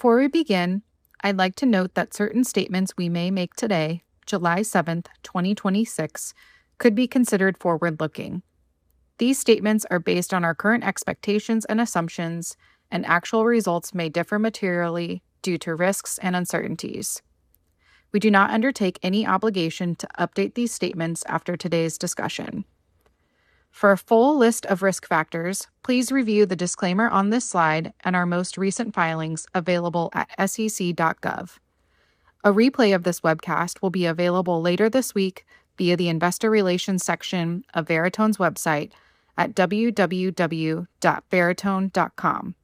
Before we begin, I'd like to note that certain statements we may make today, July 7th, 2026, could be considered forward-looking. These statements are based on our current expectations and assumptions, and actual results may differ materially due to risks and uncertainties. We do not undertake any obligation to update these statements after today's discussion. For a full list of risk factors, please review the disclaimer on this slide and our most recent filings available at sec.gov. A replay of this webcast will be available later this week via the investor relations section of Veritone's website at www.veritone.com.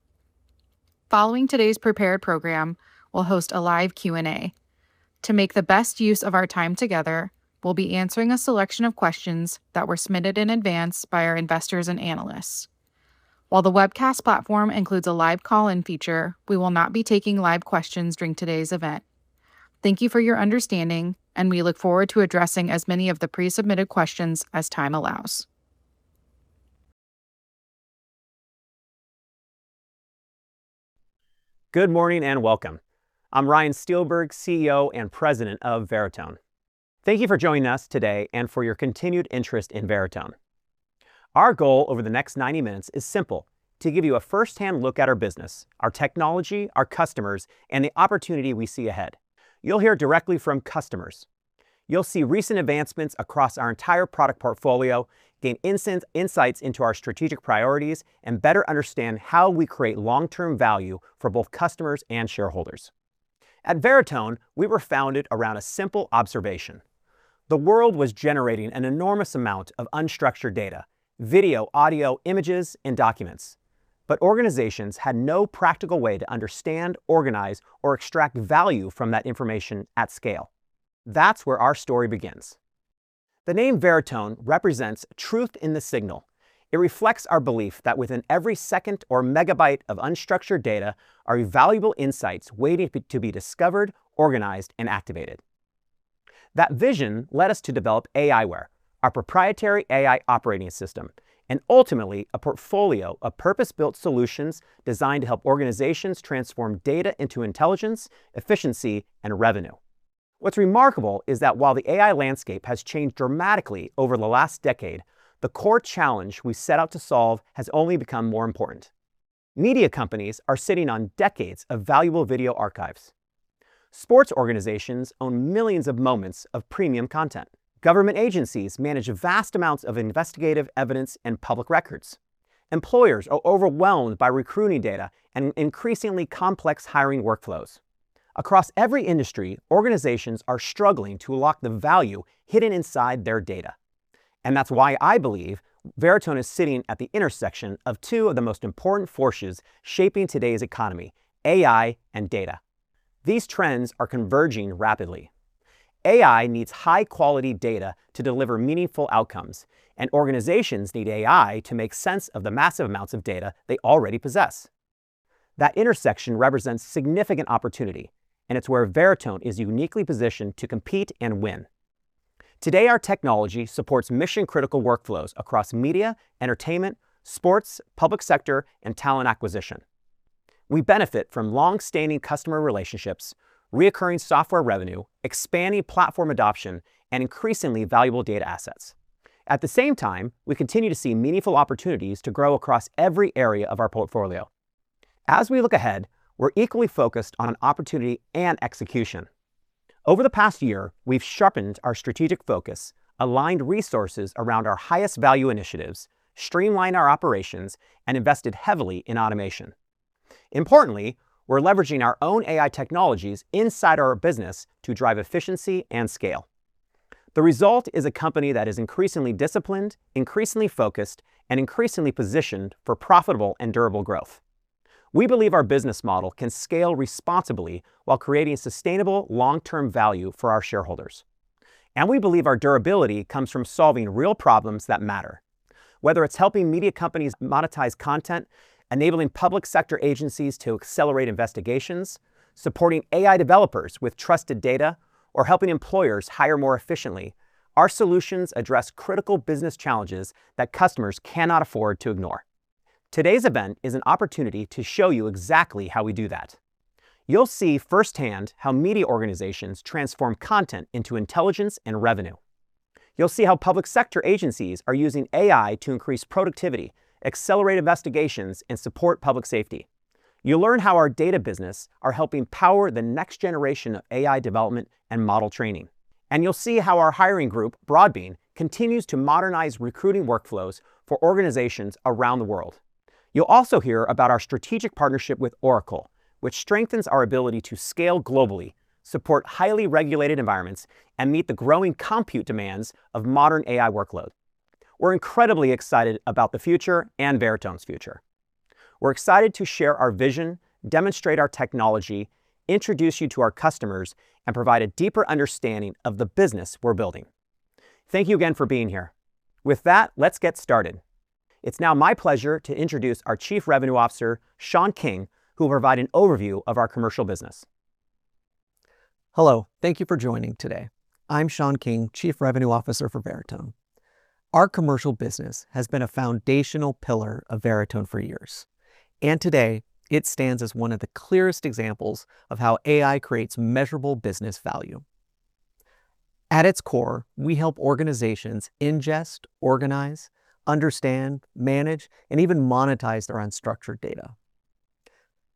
Following today's prepared program, we'll host a live Q&A. To make the best use of our time together, we'll be answering a selection of questions that were submitted in advance by our investors and analysts. While the webcast platform includes a live call-in feature, we will not be taking live questions during today's event. Thank you for your understanding, and we look forward to addressing as many of the pre-submitted questions as time allows. Good morning, and welcome. I'm Ryan Steelberg, CEO and President of Veritone. Thank you for joining us today and for your continued interest in Veritone. Our goal over the next 90 minutes is simple, to give you a firsthand look at our business, our technology, our customers, and the opportunity we see ahead. You'll hear directly from customers. You'll see recent advancements across our entire product portfolio, gain insights into our strategic priorities, and better understand how we create long-term value for both customers and shareholders. At Veritone, we were founded around a simple observation. The world was generating an enormous amount of unstructured data, video, audio, images, and documents. Organizations had no practical way to understand, organize, or extract value from that information at scale. That's where our story begins. The name Veritone represents truth in the signal. It reflects our belief that within every second or megabyte of unstructured data are valuable insights waiting to be discovered, organized, and activated. That vision led us to develop aiWARE, our proprietary AI operating system, and ultimately a portfolio of purpose-built solutions designed to help organizations transform data into intelligence, efficiency, and revenue. What's remarkable is that while the AI landscape has changed dramatically over the last decade, the core challenge we set out to solve has only become more important. Media companies are sitting on decades of valuable video archives. Sports organizations own millions of moments of premium content. Government agencies manage vast amounts of investigative evidence and public records. Employers are overwhelmed by recruiting data and increasingly complex hiring workflows. Across every industry, organizations are struggling to unlock the value hidden inside their data. That's why I believe Veritone is sitting at the intersection of two of the most important forces shaping today's economy, AI and data. These trends are converging rapidly. AI needs high-quality data to deliver meaningful outcomes, and organizations need AI to make sense of the massive amounts of data they already possess. That intersection represents significant opportunity, and it's where Veritone is uniquely positioned to compete and win. Today, our technology supports mission-critical workflows across media, entertainment, sports, public sector, and talent acquisition. We benefit from long-standing customer relationships, recurring software revenue, expanding platform adoption, and increasingly valuable data assets. At the same time, we continue to see meaningful opportunities to grow across every area of our portfolio. As we look ahead, we're equally focused on opportunity and execution. Over the past year, we've sharpened our strategic focus, aligned resources around our highest value initiatives, streamlined our operations, and invested heavily in automation. Importantly, we're leveraging our own AI technologies inside our business to drive efficiency and scale. The result is a company that is increasingly disciplined, increasingly focused, and increasingly positioned for profitable and durable growth. We believe our business model can scale responsibly while creating sustainable long-term value for our shareholders. We believe our durability comes from solving real problems that matter. Whether it's helping media companies monetize content, enabling public sector agencies to accelerate investigations, supporting AI developers with trusted data, or helping employers hire more efficiently, our solutions address critical business challenges that customers cannot afford to ignore. Today's event is an opportunity to show you exactly how we do that. You'll see firsthand how media organizations transform content into intelligence and revenue. You'll see how public sector agencies are using AI to increase productivity, accelerate investigations, and support public safety. You'll learn how our data business are helping power the next generation of AI development and model training. You'll see how our hiring group, Broadbean, continues to modernize recruiting workflows for organizations around the world. You'll also hear about our strategic partnership with Oracle, which strengthens our ability to scale globally, support highly regulated environments, and meet the growing compute demands of modern AI workloads. We're incredibly excited about the future and Veritone's future. We're excited to share our vision, demonstrate our technology, introduce you to our customers, and provide a deeper understanding of the business we're building. Thank you again for being here. With that, let's get started. It's now my pleasure to introduce our Chief Revenue Officer, Sean King, who will provide an overview of our commercial business. Hello. Thank you for joining today. I'm Sean King, Chief Revenue Officer for Veritone. Our commercial business has been a foundational pillar of Veritone for years, and today it stands as one of the clearest examples of how AI creates measurable business value. At its core, we help organizations ingest, organize, understand, manage, and even monetize their unstructured data.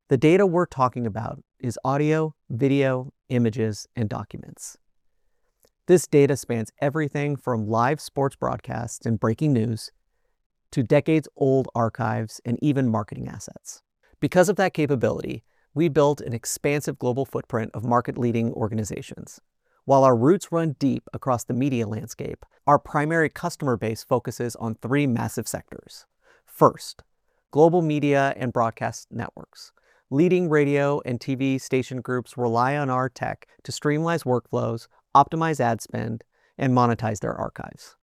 The data we're talking about is audio, video, images, and documents. This data spans everything from live sports broadcasts and breaking news to decades-old archives and even marketing assets. Because of that capability, we built an expansive global footprint of market-leading organizations. While our roots run deep across the media landscape, our primary customer base focuses on three massive sectors. First, global media and broadcast networks. Leading radio and TV station groups rely on our tech to streamline workflows, optimize ad spend, and monetize their archives.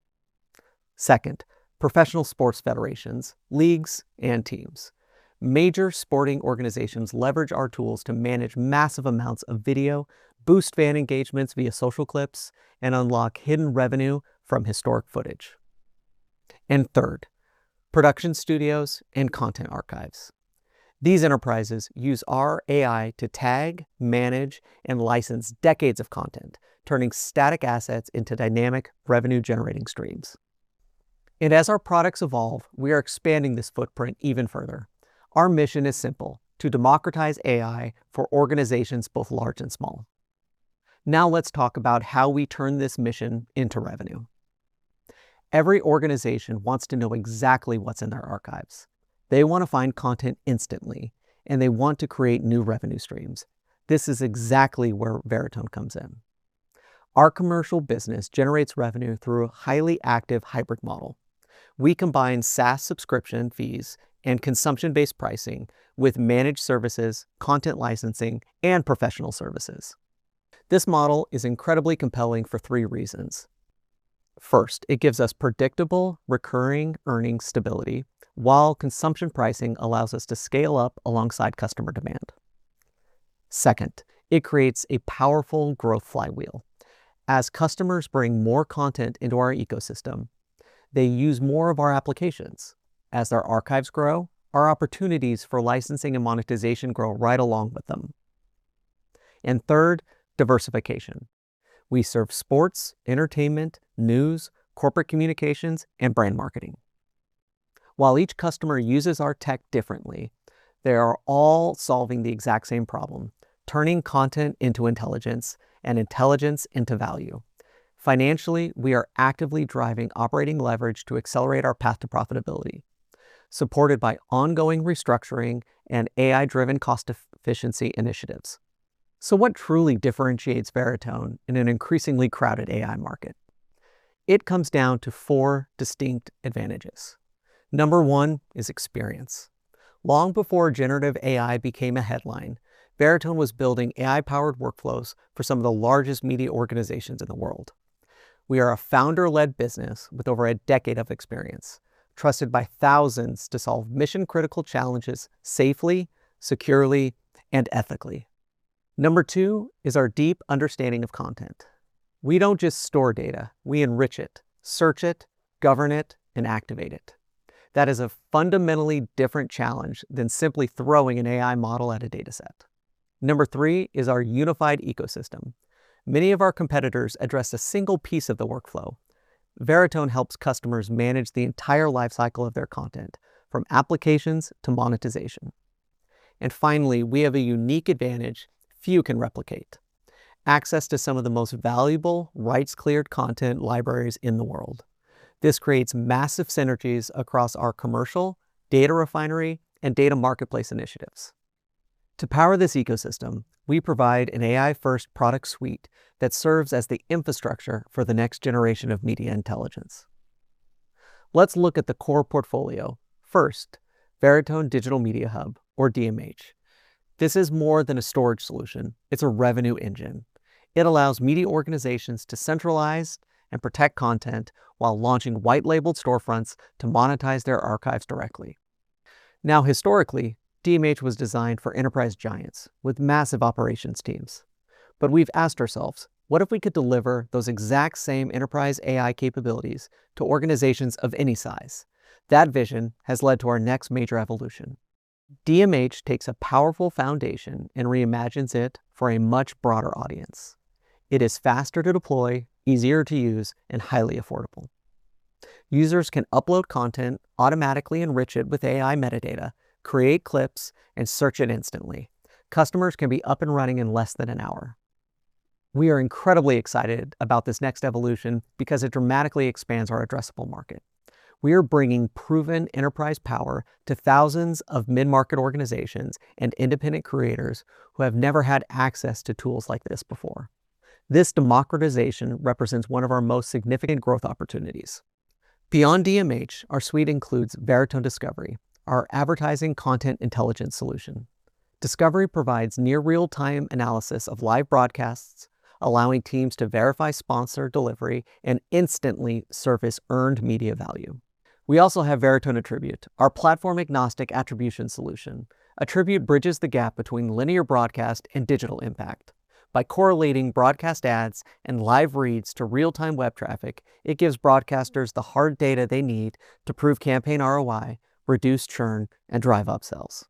Second, professional sports federations, leagues, and teams. Major sporting organizations leverage our tools to manage massive amounts of video, boost fan engagements via social clips, and unlock hidden revenue from historic footage. Third, production studios and content archives. These enterprises use our AI to tag, manage, and license decades of content, turning static assets into dynamic revenue-generating streams. As our products evolve, we are expanding this footprint even further. Our mission is simple: to democratize AI for organizations both large and small. Let's talk about how we turn this mission into revenue. Every organization wants to know exactly what's in their archives. They want to find content instantly, and they want to create new revenue streams. This is exactly where Veritone comes in. Our commercial business generates revenue through a highly active hybrid model. We combine SaaS subscription fees and consumption-based pricing with managed services, content licensing, and professional services. This model is incredibly compelling for three reasons. First, it gives us predictable, recurring earnings stability, while consumption pricing allows us to scale up alongside customer demand. Second, it creates a powerful growth flywheel. As customers bring more content into our ecosystem, they use more of our applications. As their archives grow, our opportunities for licensing and monetization grow right along with them. Third, diversification. We serve sports, entertainment, news, corporate communications, and brand marketing. While each customer uses our tech differently, they are all solving the exact same problem: turning content into intelligence and intelligence into value. Financially, we are actively driving operating leverage to accelerate our path to profitability, supported by ongoing restructuring and AI-driven cost efficiency initiatives. What truly differentiates Veritone in an increasingly crowded AI market? It comes down to four distinct advantages. Number one is experience. Long before generative AI became a headline, Veritone was building AI-powered workflows for some of the largest media organizations in the world. We are a founder-led business with over a decade of experience, trusted by thousands to solve mission-critical challenges safely, securely, and ethically. Number two is our deep understanding of content. We don't just store data, we enrich it, search it, govern it, and activate it. That is a fundamentally different challenge than simply throwing an AI model at a dataset. Number three is our unified ecosystem. Many of our competitors address a single piece of the workflow. Veritone helps customers manage the entire lifecycle of their content, from applications to monetization. Finally, we have a unique advantage few can replicate: access to some of the most valuable rights-cleared content libraries in the world. This creates massive synergies across our commercial, Data Refinery, and Data Marketplace initiatives. To power this ecosystem, we provide an AI-first product suite that serves as the infrastructure for the next generation of media intelligence. Let's look at the core portfolio. First, Veritone Digital Media Hub, or DMH. This is more than a storage solution, it's a revenue engine. It allows media organizations to centralize and protect content while launching white-labeled storefronts to monetize their archives directly. Historically, DMH was designed for enterprise giants with massive operations teams. We've asked ourselves, "What if we could deliver those exact same enterprise AI capabilities to organizations of any size?" That vision has led to our next major evolution. DMH takes a powerful foundation and reimagines it for a much broader audience. It is faster to deploy, easier to use, and highly affordable. Users can upload content, automatically enrich it with AI metadata, create clips, and search it instantly. Customers can be up and running in less than an hour. We are incredibly excited about this next evolution because it dramatically expands our addressable market. We are bringing proven enterprise power to thousands of mid-market organizations and independent creators who have never had access to tools like this before. This democratization represents one of our most significant growth opportunities. Beyond DMH, our suite includes Veritone Discovery, our advertising content intelligence solution. Discovery provides near real-time analysis of live broadcasts, allowing teams to verify sponsor delivery and instantly surface earned media value. We also have Veritone Attribute, our platform-agnostic attribution solution. Attribute bridges the gap between linear broadcast and digital impact. By correlating broadcast ads and live reads to real-time web traffic, it gives broadcasters the hard data they need to prove campaign ROI, reduce churn, and drive up sales.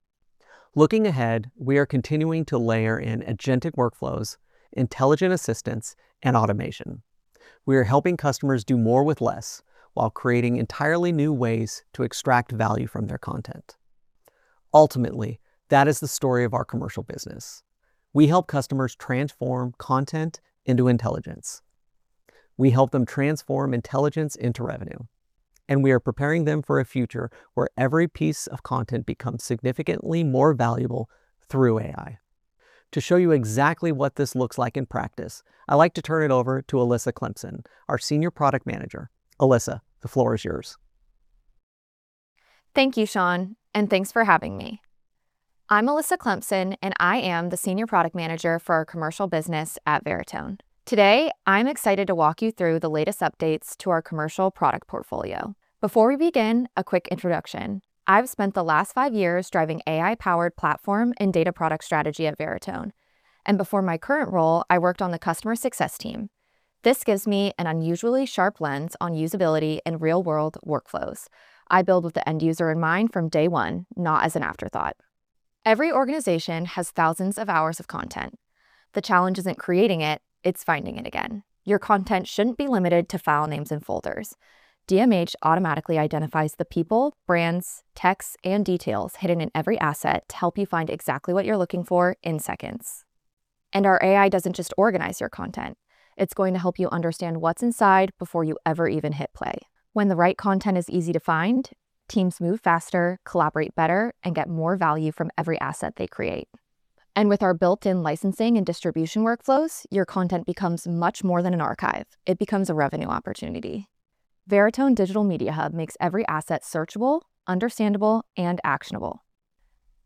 Looking ahead, we are continuing to layer in agentic workflows, intelligent assistance, and automation. We are helping customers do more with less, while creating entirely new ways to extract value from their content. Ultimately, that is the story of our commercial business. We help customers transform content into intelligence. We help them transform intelligence into revenue, and we are preparing them for a future where every piece of content becomes significantly more valuable through AI. To show you exactly what this looks like in practice, I'd like to turn it over to Alyssa Clemson, our Senior Product Manager. Alyssa, the floor is yours. Thank you, Sean, and thanks for having me. I'm Alyssa Clemson, and I am the Senior Product Manager for our commercial business at Veritone. Today, I'm excited to walk you through the latest updates to our commercial product portfolio. Before we begin, a quick introduction. I've spent the last five years driving AI-powered platform and data product strategy at Veritone. Before my current role, I worked on the customer success team. This gives me an unusually sharp lens on usability and real-world workflows. I build with the end user in mind from day one, not as an afterthought. Every organization has thousands of hours of content. The challenge isn't creating it's finding it again. Your content shouldn't be limited to file names and folders. DMH automatically identifies the people, brands, texts, and details hidden in every asset to help you find exactly what you're looking for in seconds. Our AI doesn't just organize your content. It's going to help you understand what's inside before you ever even hit play. When the right content is easy to find, teams move faster, collaborate better, and get more value from every asset they create. With our built-in licensing and distribution workflows, your content becomes much more than an archive. It becomes a revenue opportunity. Veritone Digital Media Hub makes every asset searchable, understandable, and actionable.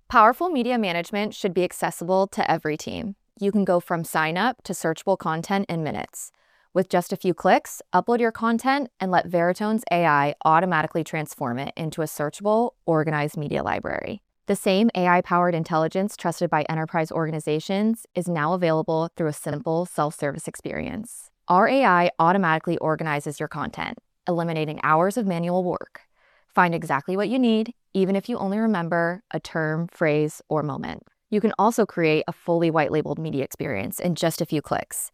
Powerful media management should be accessible to every team. You can go from sign-up to searchable content in minutes. With just a few clicks, upload your content and let Veritone's AI automatically transform it into a searchable, organized media library. The same AI-powered intelligence trusted by enterprise organizations is now available through a simple self-service experience. Our AI automatically organizes your content, eliminating hours of manual work. Find exactly what you need, even if you only remember a term, phrase, or moment. You can also create a fully white-labeled media experience in just a few clicks.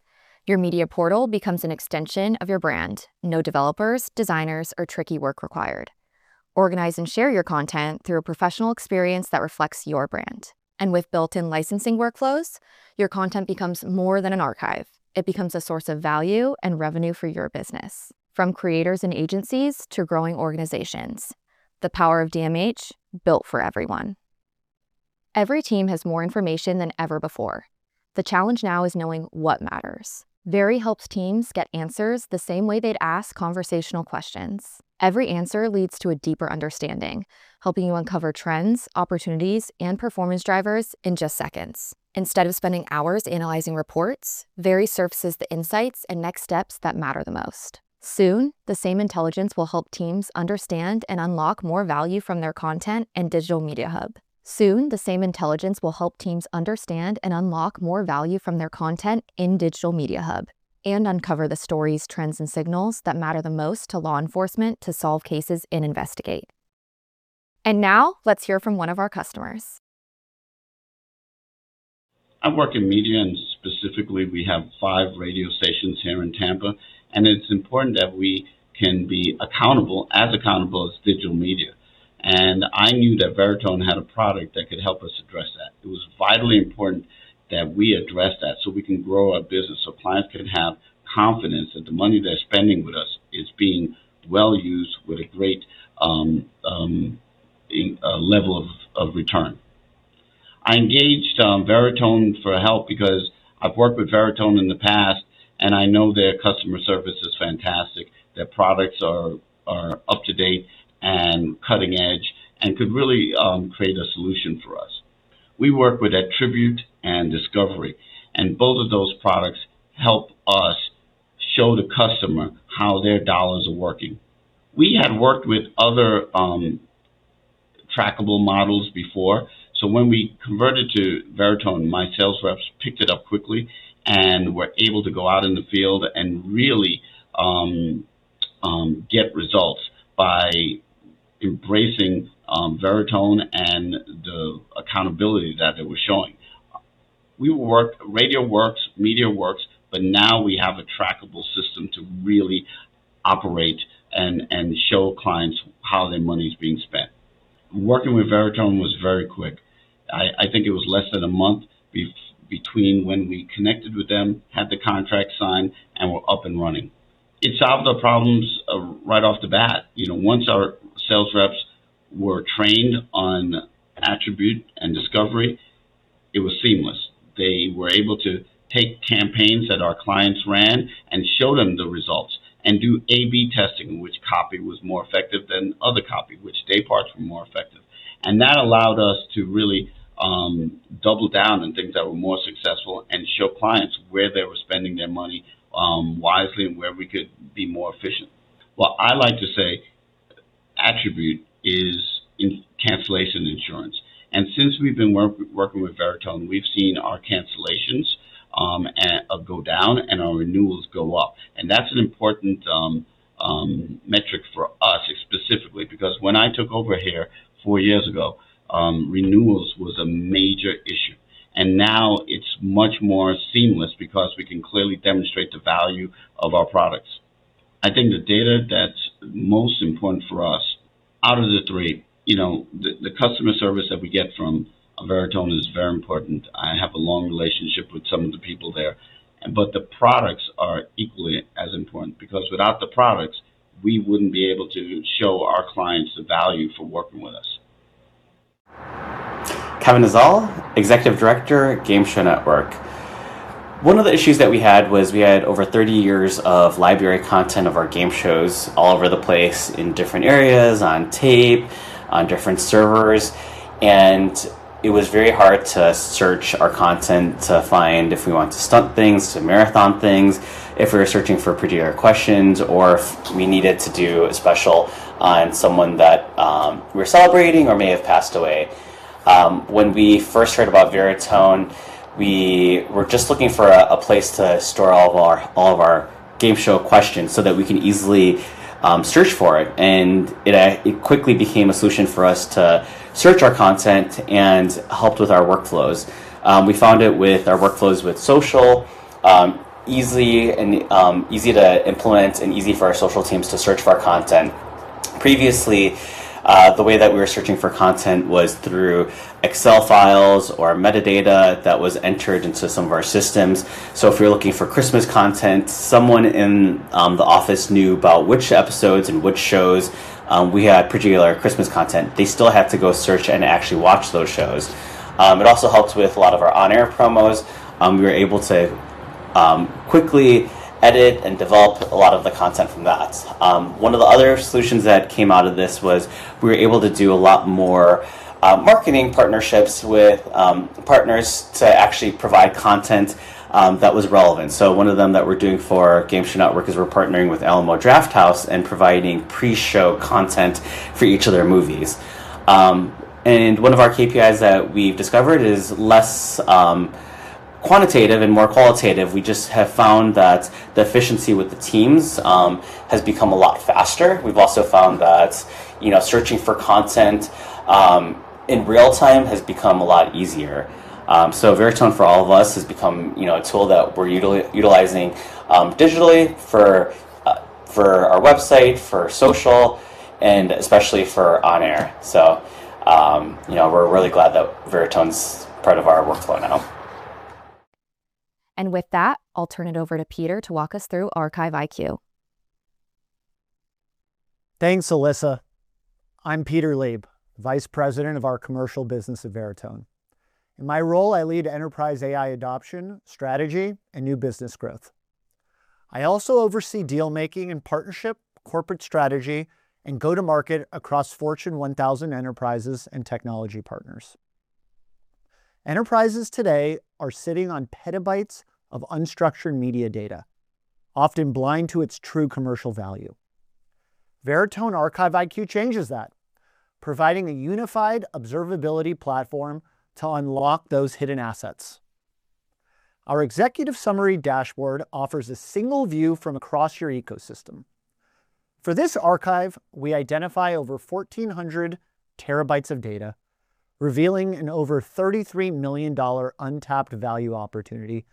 Your media portal becomes an extension of your brand. No developers, designers, or tricky work required. Organize and share your content through a professional experience that reflects your brand. With built-in licensing workflows, your content becomes more than an archive. It becomes a source of value and revenue for your business. From creators and agencies to growing organizations, the power of DMH, built for everyone. Every team has more information than ever before. The challenge now is knowing what matters. Veri helps teams get answers the same way they'd ask conversational questions. Every answer leads to a deeper understanding, helping you uncover trends, opportunities, and performance drivers in just seconds. Instead of spending hours analyzing reports, Veri surfaces the insights and next steps that matter the most. Soon, the same intelligence will help teams understand and unlock more value from their content in Digital Media Hub and uncover the stories, trends, and signals that matter the most to law enforcement to solve cases in Investigate. Now, let's hear from one of our customers. I work in media, and specifically, we have five radio stations here in Tampa, and it's important that we can be as accountable as digital media. I knew that Veritone had a product that could help us address that. It was vitally important that we address that so we can grow our business, so clients can have confidence that the money they're spending with us is being well-used with a great level of return. I engaged Veritone for help because I've worked with Veritone in the past, and I know their customer service is fantastic. Their products are up-to-date and cutting-edge and could really create a solution for us. We work with Attribute and Discovery, and both of those products help us show the customer how their dollars are working. We had worked with other trackable models before, so when we converted to Veritone, my sales reps picked it up quickly and were able to go out in the field and really get results by embracing Veritone and the accountability that it was showing. Radio works, media works, now we have a trackable system to really operate and show clients how their money's being spent. Working with Veritone was very quick. I think it was less than a month between when we connected with them, had the contract signed, and were up and running. It solved our problems right off the bat. Once our sales reps were trained on Attribute and Discovery, it was seamless. They were able to take campaigns that our clients ran and show them the results and do A/B testing, which copy was more effective than other copy, which day parts were more effective. That allowed us to really double down on things that were clients where they were spending their money wisely and where we could be more efficient. What I like to say Attribute is in cancellation insurance. Since we've been working with Veritone, we've seen our cancellations go down and our renewals go up. That's an important metric for us specifically, because when I took over here four years ago, renewals was a major issue, and now it's much more seamless because we can clearly demonstrate the value of our products. I think the data that's most important for us, out of the three, the customer service that we get from Veritone is very important. I have a long relationship with some of the people there, the products are equally as important because without the products, we wouldn't be able to show our clients the value for working with us. Kevin Nazal, Executive Director at Game Show Network. One of the issues that we had was we had over 30 years of library content of our game shows all over the place, in different areas, on tape, on different servers, and it was very hard to search our content to find if we wanted to stunt things, to marathon things, if we were searching for particular questions, or if we needed to do a special on someone that we were celebrating or may have passed away. When we first heard about Veritone, we were just looking for a place to store all of our game show questions so that we can easily search for it. It quickly became a solution for us to search our content and helped with our workflows. We found it with our workflows with social, easy to implement and easy for our social teams to search for our content. Previously, the way that we were searching for content was through Excel files or metadata that was entered into some of our systems. If you're looking for Christmas content, someone in the office knew about which episodes and which shows we had particular Christmas content. They still had to go search and actually watch those shows. It also helps with a lot of our on-air promos. We were able to quickly edit and develop a lot of the content from that. One of the other solutions that came out of this was we were able to do a lot more marketing partnerships with partners to actually provide content that was relevant. One of them that we're doing for Game Show Network is we're partnering with Alamo Drafthouse and providing pre-show content for each of their movies. One of our KPIs that we've discovered is less quantitative and more qualitative. We just have found that the efficiency with the teams has become a lot faster. We've also found that searching for content in real time has become a lot easier. Veritone for all of us has become a tool that we're utilizing digitally for our website, for social, and especially for on-air. We're really glad that Veritone's part of our workflow now. With that, I'll turn it over to Peter to walk us through ArchiveIQ. Thanks, Alyssa. I'm Peter Leeb, Vice President of our commercial business at Veritone. In my role, I lead enterprise AI adoption, strategy, and new business growth. I also oversee deal-making and partnership, corporate strategy, and go-to-market across Fortune 1000 enterprises and technology partners. Enterprises today are sitting on petabytes of unstructured media data, often blind to its true commercial value. Veritone ArchiveIQ changes that, providing a unified observability platform to unlock those hidden assets. Our executive summary dashboard offers a single view from across your ecosystem. For this archive, we identify over 1,400 TB of data, revealing an over $33 million untapped value opportunity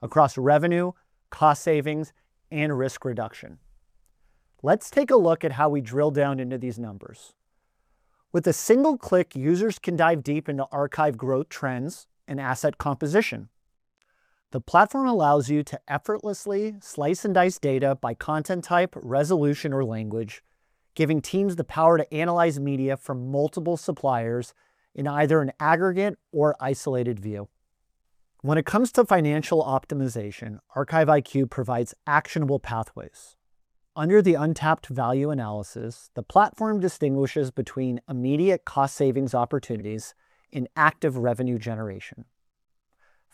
across revenue, cost savings, and risk reduction. Let's take a look at how we drill down into these numbers. With a single click, users can dive deep into archive growth trends and asset composition. The platform allows you to effortlessly slice and dice data by content type, resolution, or language, giving teams the power to analyze media from multiple suppliers in either an aggregate or isolated view. When it comes to financial optimization, ArchiveIQ provides actionable pathways. Under the untapped value analysis, the platform distinguishes between immediate cost savings opportunities and active revenue generation.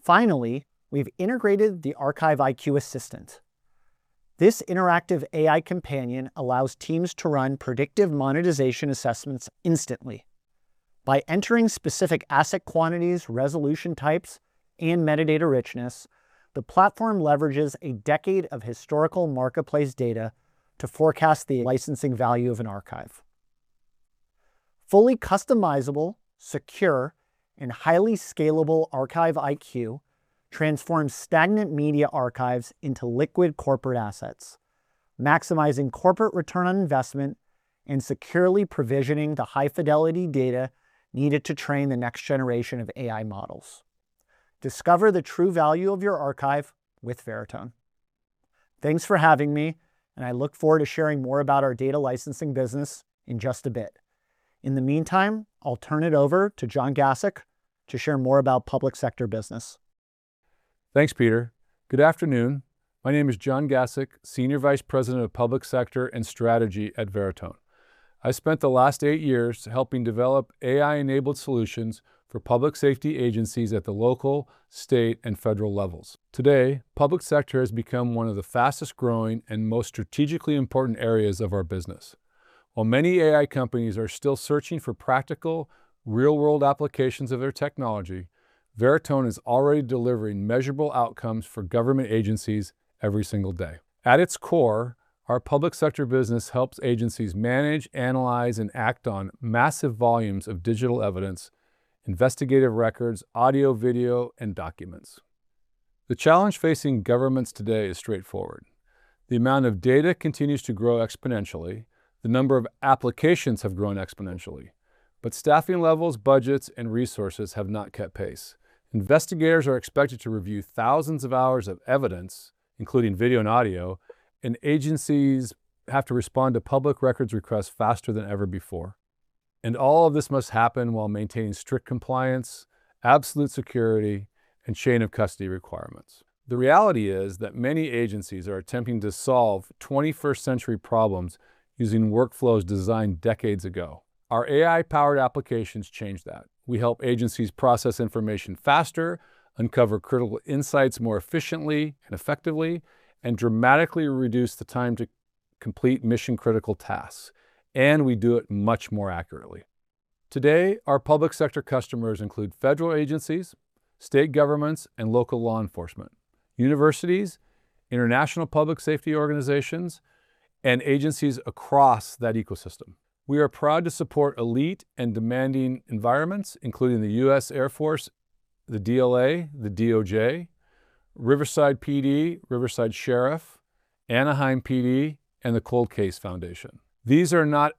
Finally, we've integrated the ArchiveIQ Assistant. This interactive AI companion allows teams to run predictive monetization assessments instantly. By entering specific asset quantities, resolution types, and metadata richness, the platform leverages a decade of historical marketplace data to forecast the licensing value of an archive. Fully customizable, secure, and highly scalable ArchiveIQ transforms stagnant media archives into liquid corporate assets, maximizing corporate ROI and securely provisioning the high-fidelity data needed to train the next generation of AI models. Discover the true value of your archive with Veritone. Thanks for having me. I look forward to sharing more about our data licensing business in just a bit. In the meantime, I'll turn it over to Jon Gacek to share more about public sector business. Thanks, Peter. Good afternoon. My name is Jon Gacek, Senior Vice President of Public Sector and Strategy at Veritone. I spent the last eight years helping develop AI-enabled solutions for public safety agencies at the local, state, and federal levels. Today, public sector has become one of the fastest-growing and most strategically important areas of our business. While many AI companies are still searching for practical, real-world applications of their technology, Veritone is already delivering measurable outcomes for government agencies every single day. At its core, our public sector business helps agencies manage, analyze, and act on massive volumes of digital evidence, investigative records, audio, video, and documents. The challenge facing governments today is straightforward. The amount of data continues to grow exponentially, the number of applications have grown exponentially, but staffing levels, budgets, and resources have not kept pace. Investigators are expected to review thousands of hours of evidence, including video and audio. Agencies have to respond to public records requests faster than ever before. All of this must happen while maintaining strict compliance, absolute security, and chain of custody requirements. The reality is that many agencies are attempting to solve 21st-century problems using workflows designed decades ago. Our AI-powered applications change that. We help agencies process information faster, uncover critical insights more efficiently and effectively, and dramatically reduce the time to complete mission-critical tasks, and we do it much more accurately. Today, our public sector customers include federal agencies, state governments, and local law enforcement, universities, international public safety organizations, and agencies across that ecosystem. We are proud to support elite and demanding environments, including the U.S. Air Force, the DLA, the DOJ, Riverside PD, Riverside Sheriff, Anaheim PD, and the Cold Case Foundation. These are not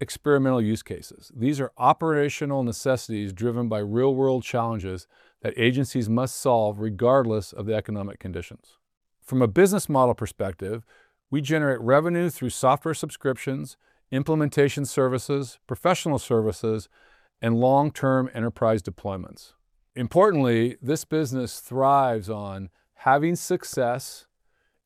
experimental use cases. These are operational necessities driven by real-world challenges that agencies must solve regardless of the economic conditions. From a business model perspective, we generate revenue through software subscriptions, implementation services, professional services, and long-term enterprise deployments. Importantly, this business thrives on having success,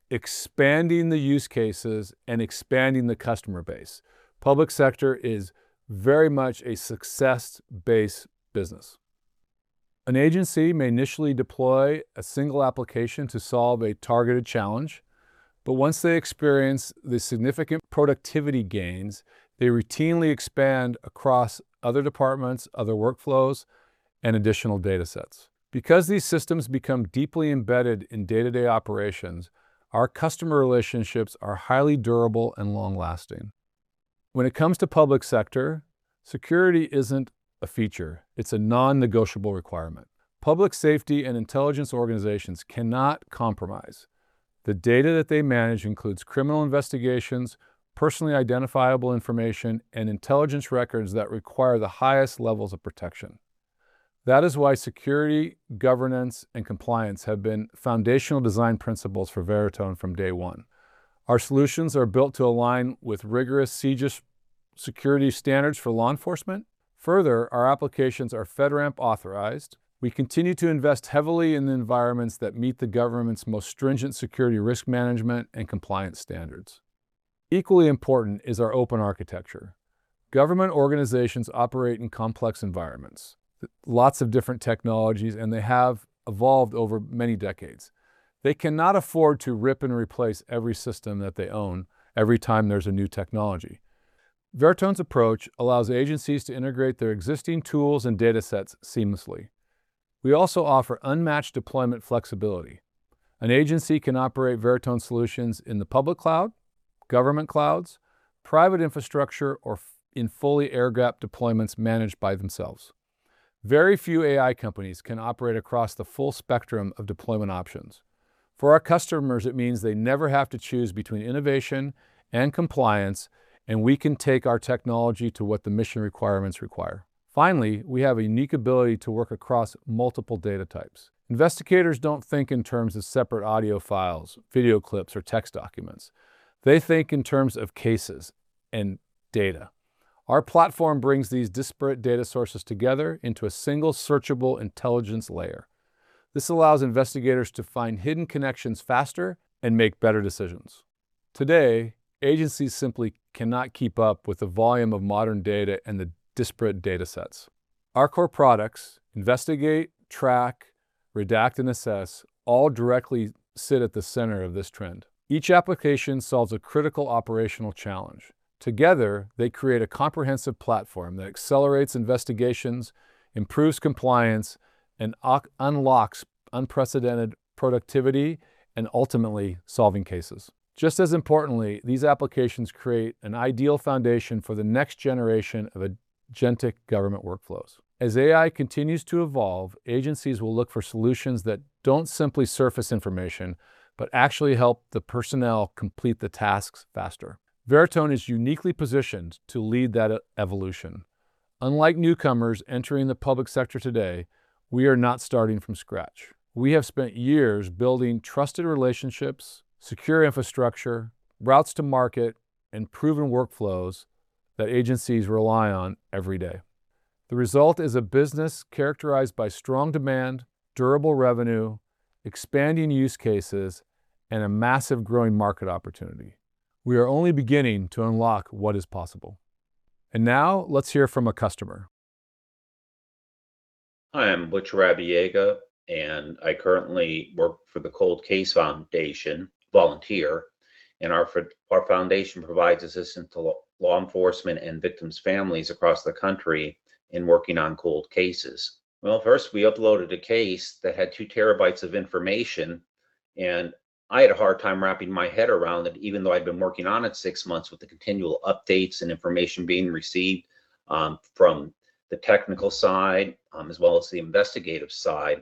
expanding the use cases, and expanding the customer base. Public sector is very much a success-based business. An agency may initially deploy a single application to solve a targeted challenge, but once they experience the significant productivity gains, they routinely expand across other departments, other workflows, and additional data sets. Because these systems become deeply embedded in day-to-day operations, our customer relationships are highly durable and long-lasting. When it comes to public sector, security isn't a feature, it's a non-negotiable requirement. Public safety and intelligence organizations cannot compromise. The data that they manage includes criminal investigations, personally identifiable information, and intelligence records that require the highest levels of protection. That is why security, governance, and compliance have been foundational design principles for Veritone from day one. Our solutions are built to align with rigorous CJIS security standards for law enforcement. Further, our applications are FedRAMP-authorized. We continue to invest heavily in the environments that meet the government's most stringent security risk management and compliance standards. Equally important is our open architecture. Government organizations operate in complex environments, lots of different technologies, and they have evolved over many decades. They cannot afford to rip and replace every system that they own every time there's a new technology. Veritone's approach allows agencies to integrate their existing tools and data sets seamlessly. We also offer unmatched deployment flexibility. An agency can operate Veritone solutions in the public cloud, government clouds, private infrastructure, or in fully air-gapped deployments managed by themselves. Very few AI companies can operate across the full spectrum of deployment options. For our customers, it means they never have to choose between innovation and compliance, and we can take our technology to what the mission requirements require. Now, we have a unique ability to work across multiple data types. Investigators don't think in terms of separate audio files, video clips, or text documents. They think in terms of cases and data. Our platform brings these disparate data sources together into a single searchable intelligence layer. This allows investigators to find hidden connections faster and make better decisions. Today, agencies simply cannot keep up with the volume of modern data and the disparate data sets. Our core products Investigate, Track, Redact, and Assess all directly sit at the center of this trend. Each application solves a critical operational challenge. Together, they create a comprehensive platform that accelerates investigations, improves compliance, and unlocks unprecedented productivity, and ultimately solving cases. Just as importantly, these applications create an ideal foundation for the next generation of agentic government workflows. As AI continues to evolve, agencies will look for solutions that don't simply surface information, but actually help the personnel complete the tasks faster. Veritone is uniquely positioned to lead that evolution. Unlike newcomers entering the public sector today, we are not starting from scratch. We have spent years building trusted relationships, secure infrastructure, routes to market, and proven workflows that agencies rely on every day. The result is a business characterized by strong demand, durable revenue, expanding use cases, and a massive growing market opportunity. We are only beginning to unlock what is possible. Now let's hear from a customer. I'm Butch Rabiega, I currently work for the Cold Case Foundation, volunteer, our foundation provides assistance to law enforcement and victims' families across the country in working on cold cases. First we uploaded a case that had 2 TB of information, I had a hard time wrapping my head around it, even though I'd been working on it six months with the continual updates and information being received from the technical side, as well as the investigative side.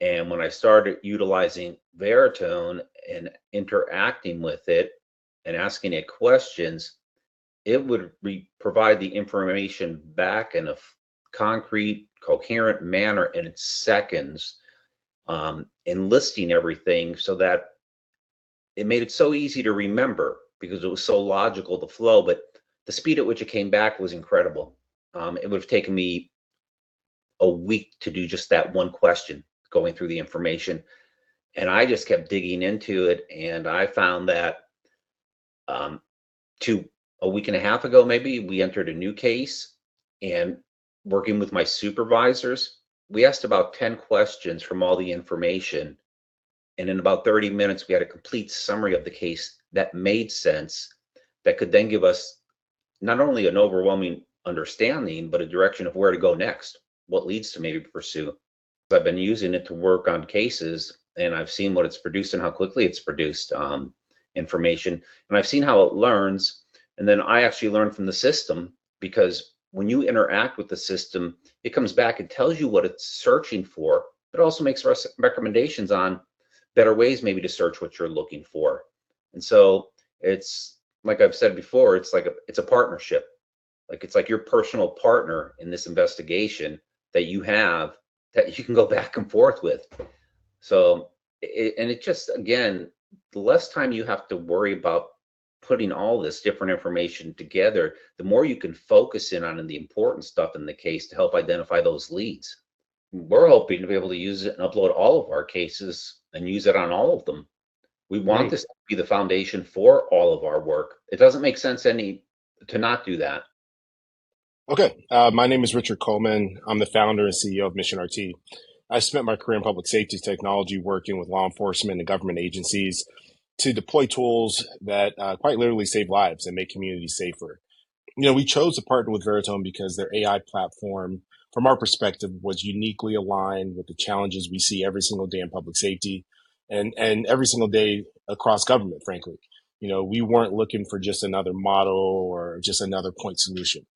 When I started utilizing Veritone and interacting with it and asking it questions, it would provide the information back in a concrete, coherent manner in seconds, listing everything so that it made it so easy to remember because it was so logical to flow, the speed at which it came back was incredible. It would've taken me a week to do just that one question, going through the information, I just kept digging into it, I found that, a week and a half ago, maybe, we entered a new case working with my supervisors, we asked about 10 questions from all the information. In about 30 minutes we had a complete summary of the case that made sense, that could then give us not only an overwhelming understanding, but a direction of where to go next. What leads to maybe pursue. I've been using it to work on cases, I've seen what it's produced and how quickly it's produced information, I've seen how it learns, then I actually learn from the system because when you interact with the system, it comes back and tells you what it's searching for. It also makes recommendations on better ways maybe to search what you're looking for. It's like I've said before, it's a partnership. It's like your personal partner in this investigation that you have that you can go back and forth with. It just, again, the less time you have to worry about putting all this different information together, the more you can focus in on the important stuff in the case to help identify those leads. We're hoping to be able to use it and upload all of our cases and use it on all of them. We want this to be the foundation for all of our work. It doesn't make sense to not do that. My name is Richard Coleman. I'm the Founder and CEO of MissionRT. I spent my career in public safety technology working with law enforcement and government agencies to deploy tools that quite literally save lives and make communities safer. We chose to partner with Veritone because their AI platform, from our perspective, was uniquely aligned with the challenges we see every single day in public safety and every single day across government, frankly. We weren't looking for just another model or just another point solution.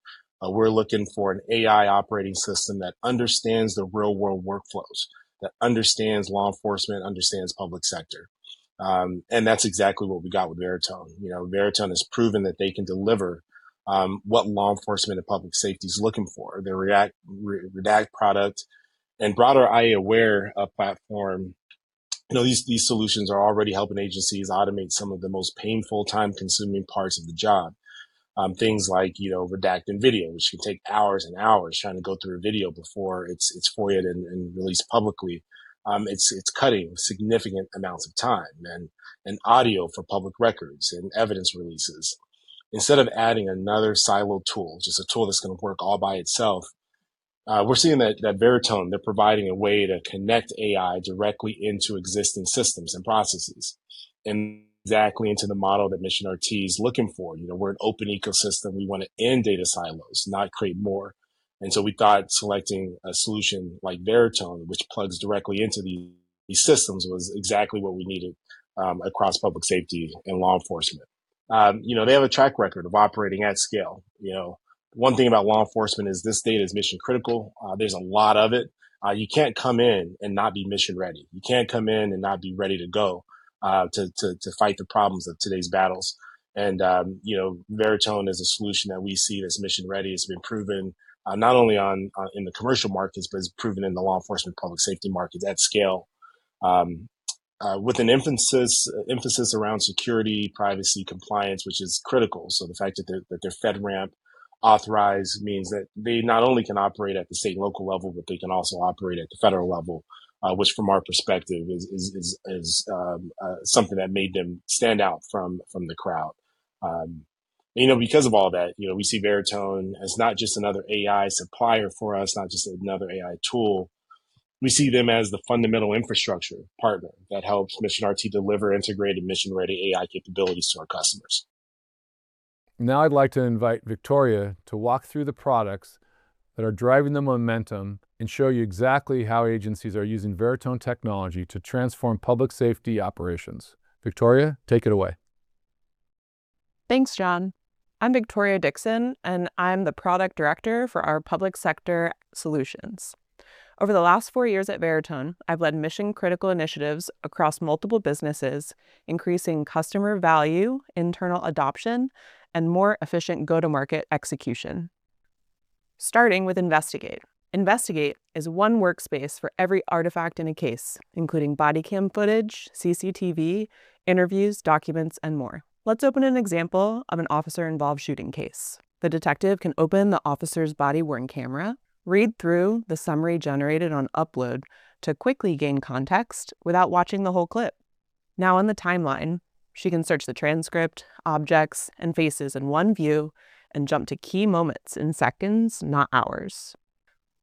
We're looking for an AI operating system that understands the real-world workflows, that understands law enforcement, understands public sector. That's exactly what we got with Veritone. Veritone has proven that they can deliver what law enforcement and public safety's looking for. Their Redact product and broader aiWARE platform. These solutions are already helping agencies automate some of the most painful, time-consuming parts of the job. Things like redacting video, which can take hours and hours trying to go through a video before it's forwarded and released publicly. It's cutting significant amounts of time and audio for public records and evidence releases. Instead of adding another siloed tool, just a tool that's going to work all by itself, we're seeing that Veritone, they're providing a way to connect AI directly into existing systems and processes, and exactly into the model that MissionRT is looking for. We're an open ecosystem. We want to end data silos, not create more. We thought selecting a solution like Veritone, which plugs directly into these systems, was exactly what we needed across public safety and law enforcement. They have a track record of operating at scale. One thing about law enforcement is this data is mission-critical. There's a lot of it. You can't come in and not be mission-ready. You can't come in and not be ready to go to fight the problems of today's battles. Veritone is a solution that we see as mission-ready. It's been proven, not only in the commercial markets, but it's proven in the law enforcement public safety markets at scale. With an emphasis around security, privacy, compliance, which is critical. The fact that they're FedRAMP-authorized means that they not only can operate at the state and local level, but they can also operate at the federal level, which from our perspective is something that made them stand out from the crowd. Because of all that, we see Veritone as not just another AI supplier for us, not just another AI tool. We see them as the fundamental infrastructure partner that helps MissionRT deliver integrated mission-ready AI capabilities to our customers. Now I'd like to invite Victoria to walk through the products that are driving the momentum and show you exactly how agencies are using Veritone technology to transform public safety operations. Victoria, take it away. Thanks, Jon. I'm Victoria Dickson, and I'm the product director for our public sector solutions. Over the last four years at Veritone, I've led mission-critical initiatives across multiple businesses, increasing customer value, internal adoption, and more efficient go-to-market execution. Starting with Investigate. Investigate is one workspace for every artifact in a case, including body cam footage, CCTV, interviews, documents, and more. Let's open an example of an officer-involved shooting case. The detective can open the officer's body-worn camera, read through the summary generated on upload to quickly gain context without watching the whole clip. On the timeline, she can search the transcript, objects, and faces in one view and jump to key moments in seconds, not hours.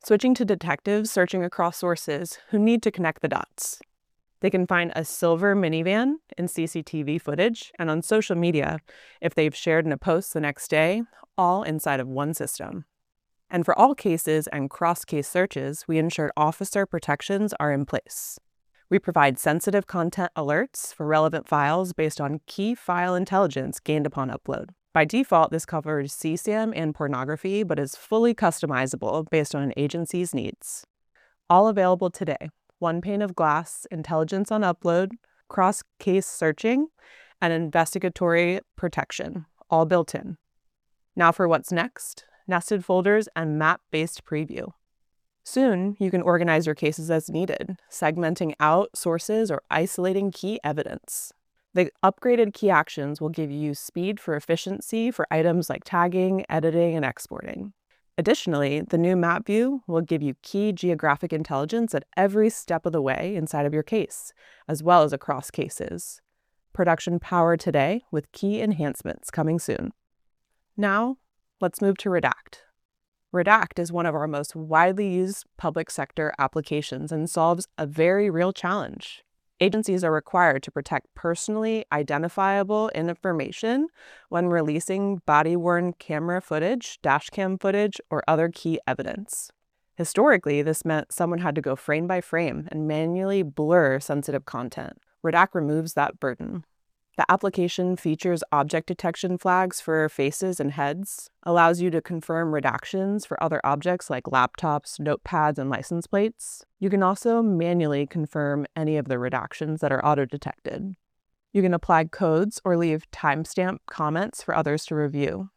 Switching to detectives searching across sources who need to connect the dots. They can find a silver minivan in CCTV footage and on social media if they've shared in a post the next day, all inside of one system. For all cases and cross-case searches, we ensure officer protections are in place. We provide sensitive content alerts for relevant files based on key file intelligence gained upon upload. By default, this covers CSAM and pornography but is fully customizable based on an agency's needs. All available today. One pane of glass, intelligence on upload, cross-case searching, and investigatory protection, all built in. For what's next, nested folders and map-based preview. Soon, you can organize your cases as needed, segmenting out sources or isolating key evidence. The upgraded key actions will give you speed for efficiency for items like tagging, editing, and exporting. Additionally, the new map view will give you key geographic intelligence at every step of the way inside of your case, as well as across cases. Production power today with key enhancements coming soon. Let's move to Redact. Redact is one of our most widely used public sector applications and solves a very real challenge. Agencies are required to protect personally identifiable information when releasing body-worn camera footage, dashcam footage, or other key evidence. Historically, this meant someone had to go frame by frame and manually blur sensitive content. Redact removes that burden. The application features object detection flags for faces and heads, allows you to confirm redactions for other objects like laptops, notepads, and license plates. You can also manually confirm any of the redactions that are auto-detected. You can apply codes or leave timestamp comments for others to review.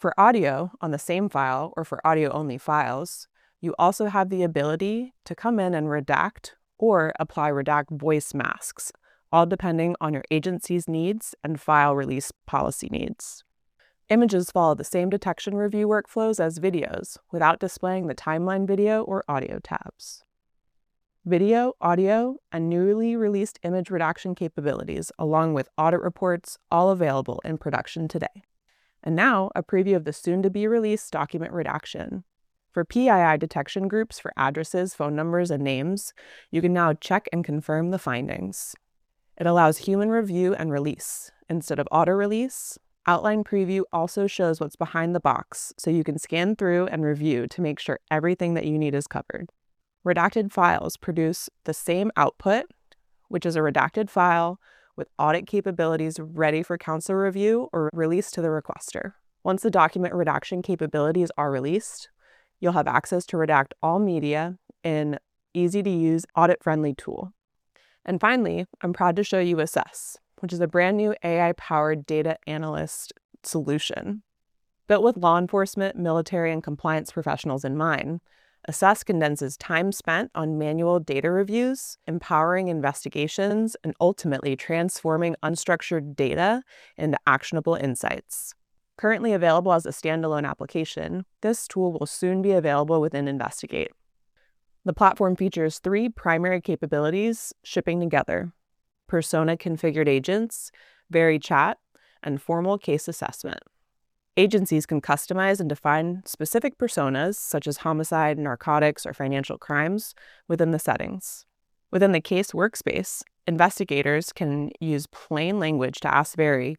For audio on the same file or for audio-only files, you also have the ability to come in and redact or apply redact voice masks, all depending on your agency's needs and file release policy needs. Images follow the same detection review workflows as videos without displaying the timeline video or audio tabs. Video, audio, and newly released image redaction capabilities, along with audit reports, all available in production today. A preview of the soon-to-be-released document redaction. For PII detection groups for addresses, phone numbers, and names, you can now check and confirm the findings. It allows human review and release instead of auto-release. Outline preview also shows what's behind the box, so you can scan through and review to make sure everything that you need is covered. Redacted files produce the same output, which is a redacted file with audit capabilities ready for counsel review or release to the requester. Once the document redaction capabilities are released, you'll have access to redact all media in easy-to-use, audit-friendly tool. Finally, I'm proud to show you Assess, which is a brand-new AI-powered data analyst solution. Built with law enforcement, military, and compliance professionals in mind, Assess condenses time spent on manual data reviews, empowering investigations, and ultimately transforming unstructured data into actionable insights. Currently available as a standalone application, this tool will soon be available within Investigate. The platform features three primary capabilities shipping together: persona-configured agents, Veri Chat, and formal case assessment. Agencies can customize and define specific personas, such as homicide, narcotics, or financial crimes, within the settings. Within the case workspace, investigators can use plain language to Ask Veri,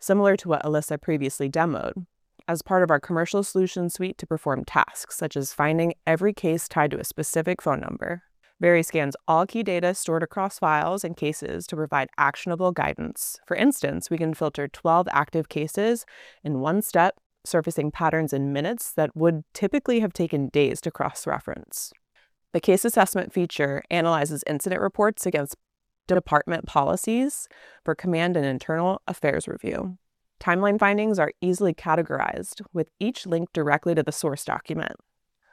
similar to what Alyssa previously demoed, as part of our commercial solution suite to perform tasks, such as finding every case tied to a specific phone number. Veri scans all key data stored across files and cases to provide actionable guidance. For instance, we can filter 12 active cases in one step, surfacing patterns in minutes that would typically have taken days to cross-reference. The case assessment feature analyzes incident reports against department policies for command and internal affairs review. Timeline findings are easily categorized, with each linked directly to the source document.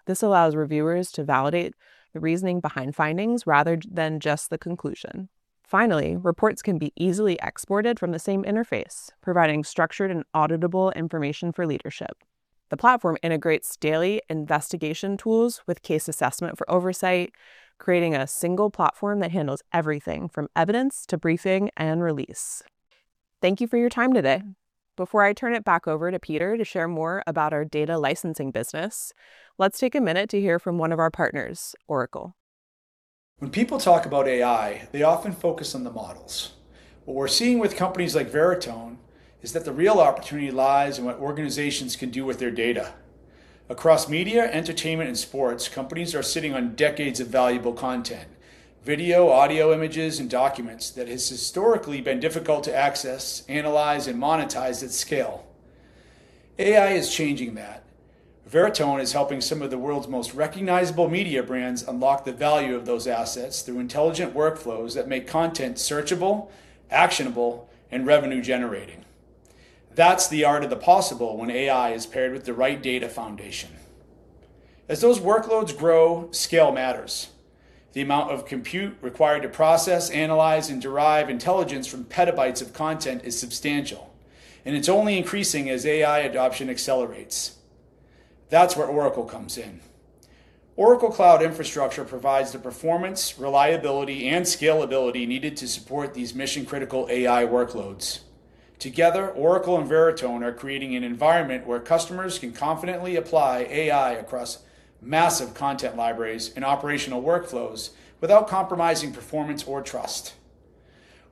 This allows reviewers to validate the reasoning behind findings rather than just the conclusion. Finally, reports can be easily exported from the same interface, providing structured and auditable information for leadership. The platform integrates daily investigation tools with case assessment for oversight, creating a single platform that handles everything from evidence to briefing and release. Thank you for your time today. Before I turn it back over to Peter to share more about our data licensing business, let's take a minute to hear from one of our partners, Oracle. When people talk about AI, they often focus on the models. What we're seeing with companies like Veritone is that the real opportunity lies in what organizations can do with their data. Across media, entertainment, and sports, companies are sitting on decades of valuable content, video, audio, images, and documents that has historically been difficult to access, analyze, and monetize at scale. AI is changing that. Veritone is helping some of the world's most recognizable media brands unlock the value of those assets through intelligent workflows that make content searchable, actionable, and revenue-generating. That's the art of the possible when AI is paired with the right data foundation. As those workloads grow, scale matters. The amount of compute required to process, analyze, and derive intelligence from petabytes of content is substantial, and it's only increasing as AI adoption accelerates. That's where Oracle comes in. Oracle Cloud Infrastructure provides the performance, reliability, and scalability needed to support these mission-critical AI workloads. Together, Oracle and Veritone are creating an environment where customers can confidently apply AI across massive content libraries and operational workflows without compromising performance or trust.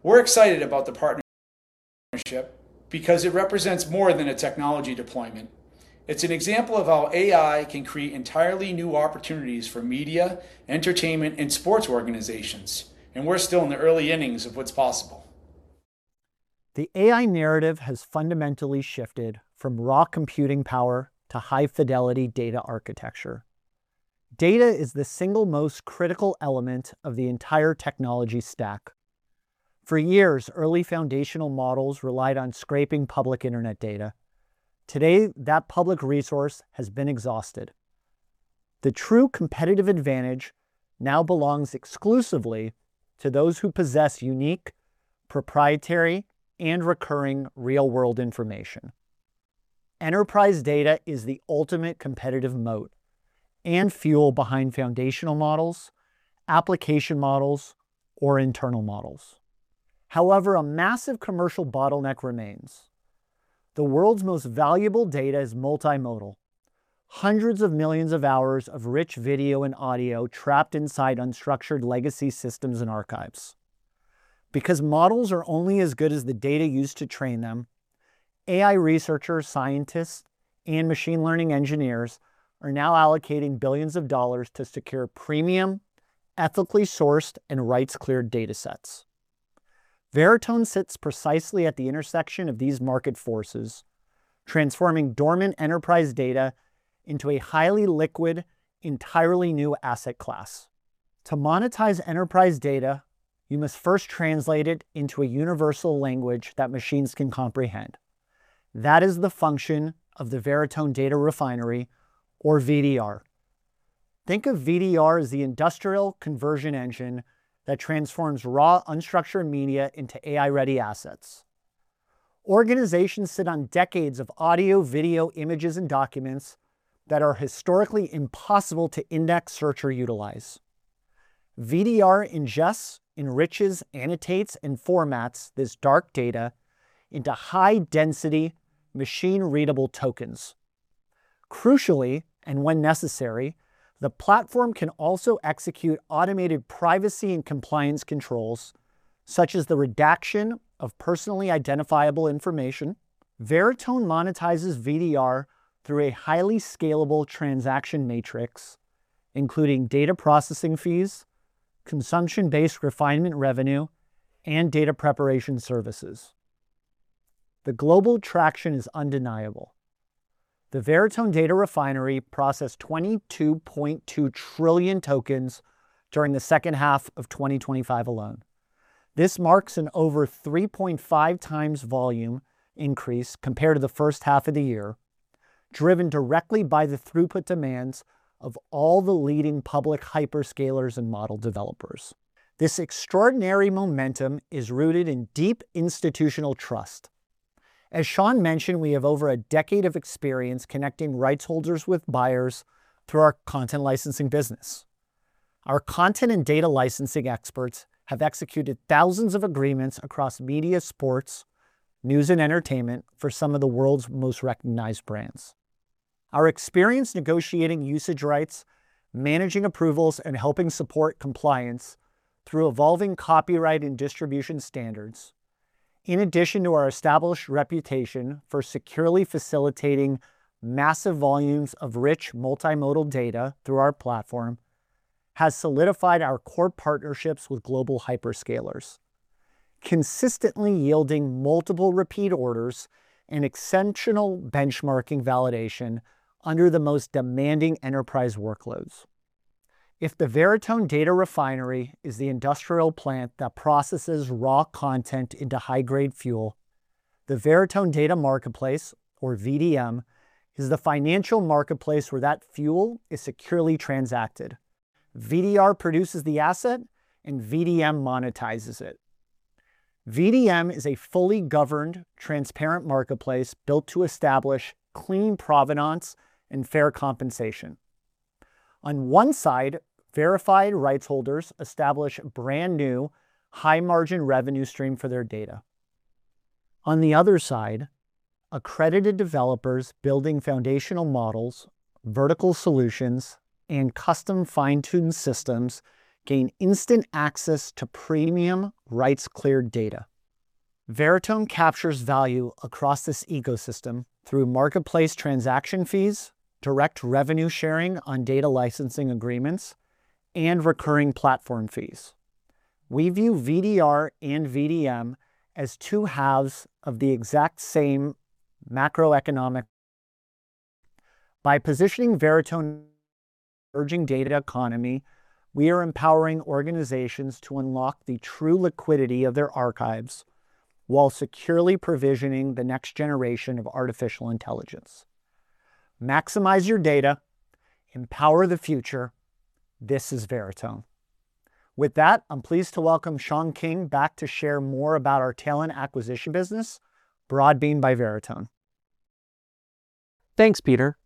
We're excited about the partnership because it represents more than a technology deployment. It's an example of how AI can create entirely new opportunities for media, entertainment, and sports organizations. We're still in the early innings of what's possible. The AI narrative has fundamentally shifted from raw computing power to high-fidelity data architecture. Data is the single most critical element of the entire technology stack. For years, early foundational models relied on scraping public internet data. Today, that public resource has been exhausted. The true competitive advantage now belongs exclusively to those who possess unique, proprietary, and recurring real-world information. Enterprise data is the ultimate competitive moat and fuel behind foundational models, application models, or internal models. However, a massive commercial bottleneck remains. The world's most valuable data is multimodal. Hundreds of millions of hours of rich video and audio trapped inside unstructured legacy systems and archives. Because models are only as good as the data used to train them, AI researchers, scientists, and machine learning engineers are now allocating billions of dollars to secure premium, ethically sourced, and rights-cleared datasets. Veritone sits precisely at the intersection of these market forces, transforming dormant enterprise data into a highly liquid, entirely new asset class. To monetize enterprise data, you must first translate it into a universal language that machines can comprehend. That is the function of the Veritone Data Refinery, or VDR. Think of VDR as the industrial conversion engine that transforms raw, unstructured media into AI-ready assets. Organizations sit on decades of audio, video, images, and documents that are historically impossible to index, search, or utilize. VDR ingests, enriches, annotates, and formats this dark data into high-density, machine-readable tokens. Crucially, and when necessary, the platform can also execute automated privacy and compliance controls, such as the redaction of personally identifiable information. Veritone monetizes VDR through a highly scalable transaction matrix, including data processing fees, consumption-based refinement revenue, and data preparation services. The global traction is undeniable. The Veritone Data Refinery processed 22.2 trillion tokens during the second half of 2025 alone. This marks an over 3.5 times volume increase compared to the first half of the year, driven directly by the throughput demands of all the leading public hyperscalers and model developers. This extraordinary momentum is rooted in deep institutional trust. As Sean mentioned, we have over a decade of experience connecting rights holders with buyers through our content licensing business. Our content and data licensing experts have executed thousands of agreements across media, sports, news, and entertainment for some of the world's most recognized brands. Our experience negotiating usage rights, managing approvals, and helping support compliance through evolving copyright and distribution standards, in addition to our established reputation for securely facilitating massive volumes of rich multimodal data through our platform, has solidified our core partnerships with global hyperscalers, consistently yielding multiple repeat orders and exceptional benchmarking validation under the most demanding enterprise workloads. If the Veritone Data Refinery is the industrial plant that processes raw content into high-grade fuel, the Veritone Data Marketplace, or VDM, is the financial marketplace where that fuel is securely transacted. VDR produces the asset and VDM monetizes it. VDM is a fully governed, transparent marketplace built to establish clean provenance and fair compensation. On one side, verified rights holders establish a brand-new, high-margin revenue stream for their data. On the other side, accredited developers building foundational models, vertical solutions, and custom fine-tuned systems gain instant access to premium, rights-cleared data. Veritone captures value across this ecosystem through marketplace transaction fees, direct revenue sharing on data licensing agreements, and recurring platform fees. We view VDR and VDM as two halves of the exact same macroeconomic. By positioning Veritone emerging data economy, we are empowering organizations to unlock the true liquidity of their archives while securely provisioning the next generation of artificial intelligence. Maximize your data. Empower the future. This is Veritone. With that, I'm pleased to welcome Sean King back to share more about our talent acquisition business, Broadbean by Veritone. Thanks, Peter.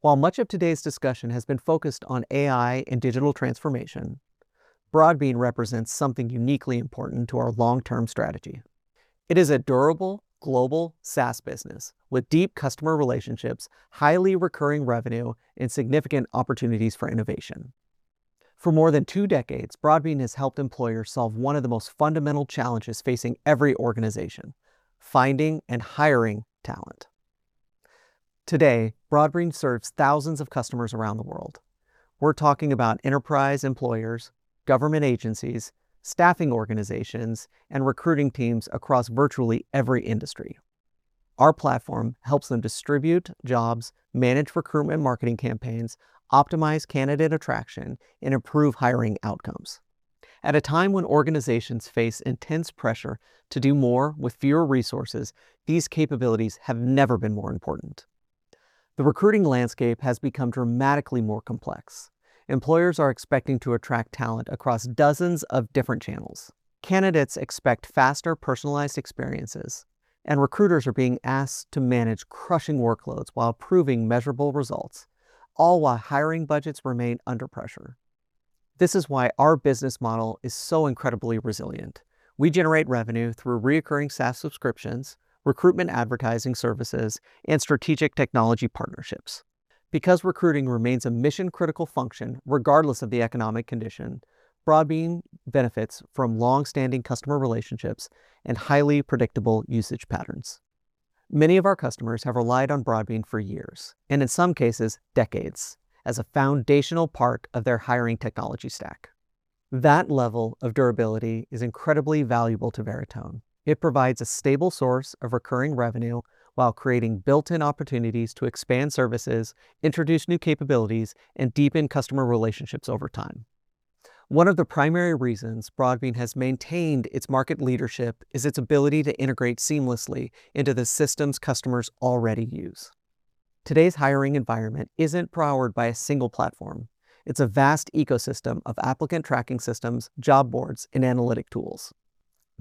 While much of today's discussion has been focused on AI and digital transformation, Broadbean represents something uniquely important to our long-term strategy. It is a durable, global SaaS business with deep customer relationships, highly recurring revenue, and significant opportunities for innovation. For more than two decades, Broadbean has helped employers solve one of the most fundamental challenges facing every organization, finding and hiring talent. Today, Broadbean serves thousands of customers around the world. We're talking about enterprise employers, government agencies, staffing organizations, and recruiting teams across virtually every industry. Our platform helps them distribute jobs, manage recruitment marketing campaigns, optimize candidate attraction, and improve hiring outcomes. At a time when organizations face intense pressure to do more with fewer resources, these capabilities have never been more important. The recruiting landscape has become dramatically more complex. Employers are expecting to attract talent across dozens of different channels. Candidates expect faster, personalized experiences, recruiters are being asked to manage crushing workloads while proving measurable results, all while hiring budgets remain under pressure. This is why our business model is so incredibly resilient. We generate revenue through recurring SaaS subscriptions, recruitment advertising services, and strategic technology partnerships. Recruiting remains a mission-critical function regardless of the economic condition, Broadbean benefits from longstanding customer relationships and highly predictable usage patterns. Many of our customers have relied on Broadbean for years, and in some cases, decades, as a foundational part of their hiring technology stack. That level of durability is incredibly valuable to Veritone. It provides a stable source of recurring revenue while creating built-in opportunities to expand services, introduce new capabilities, and deepen customer relationships over time. One of the primary reasons Broadbean has maintained its market leadership is its ability to integrate seamlessly into the systems customers already use. Today's hiring environment isn't powered by a single platform. It's a vast ecosystem of applicant tracking systems, job boards, and analytic tools.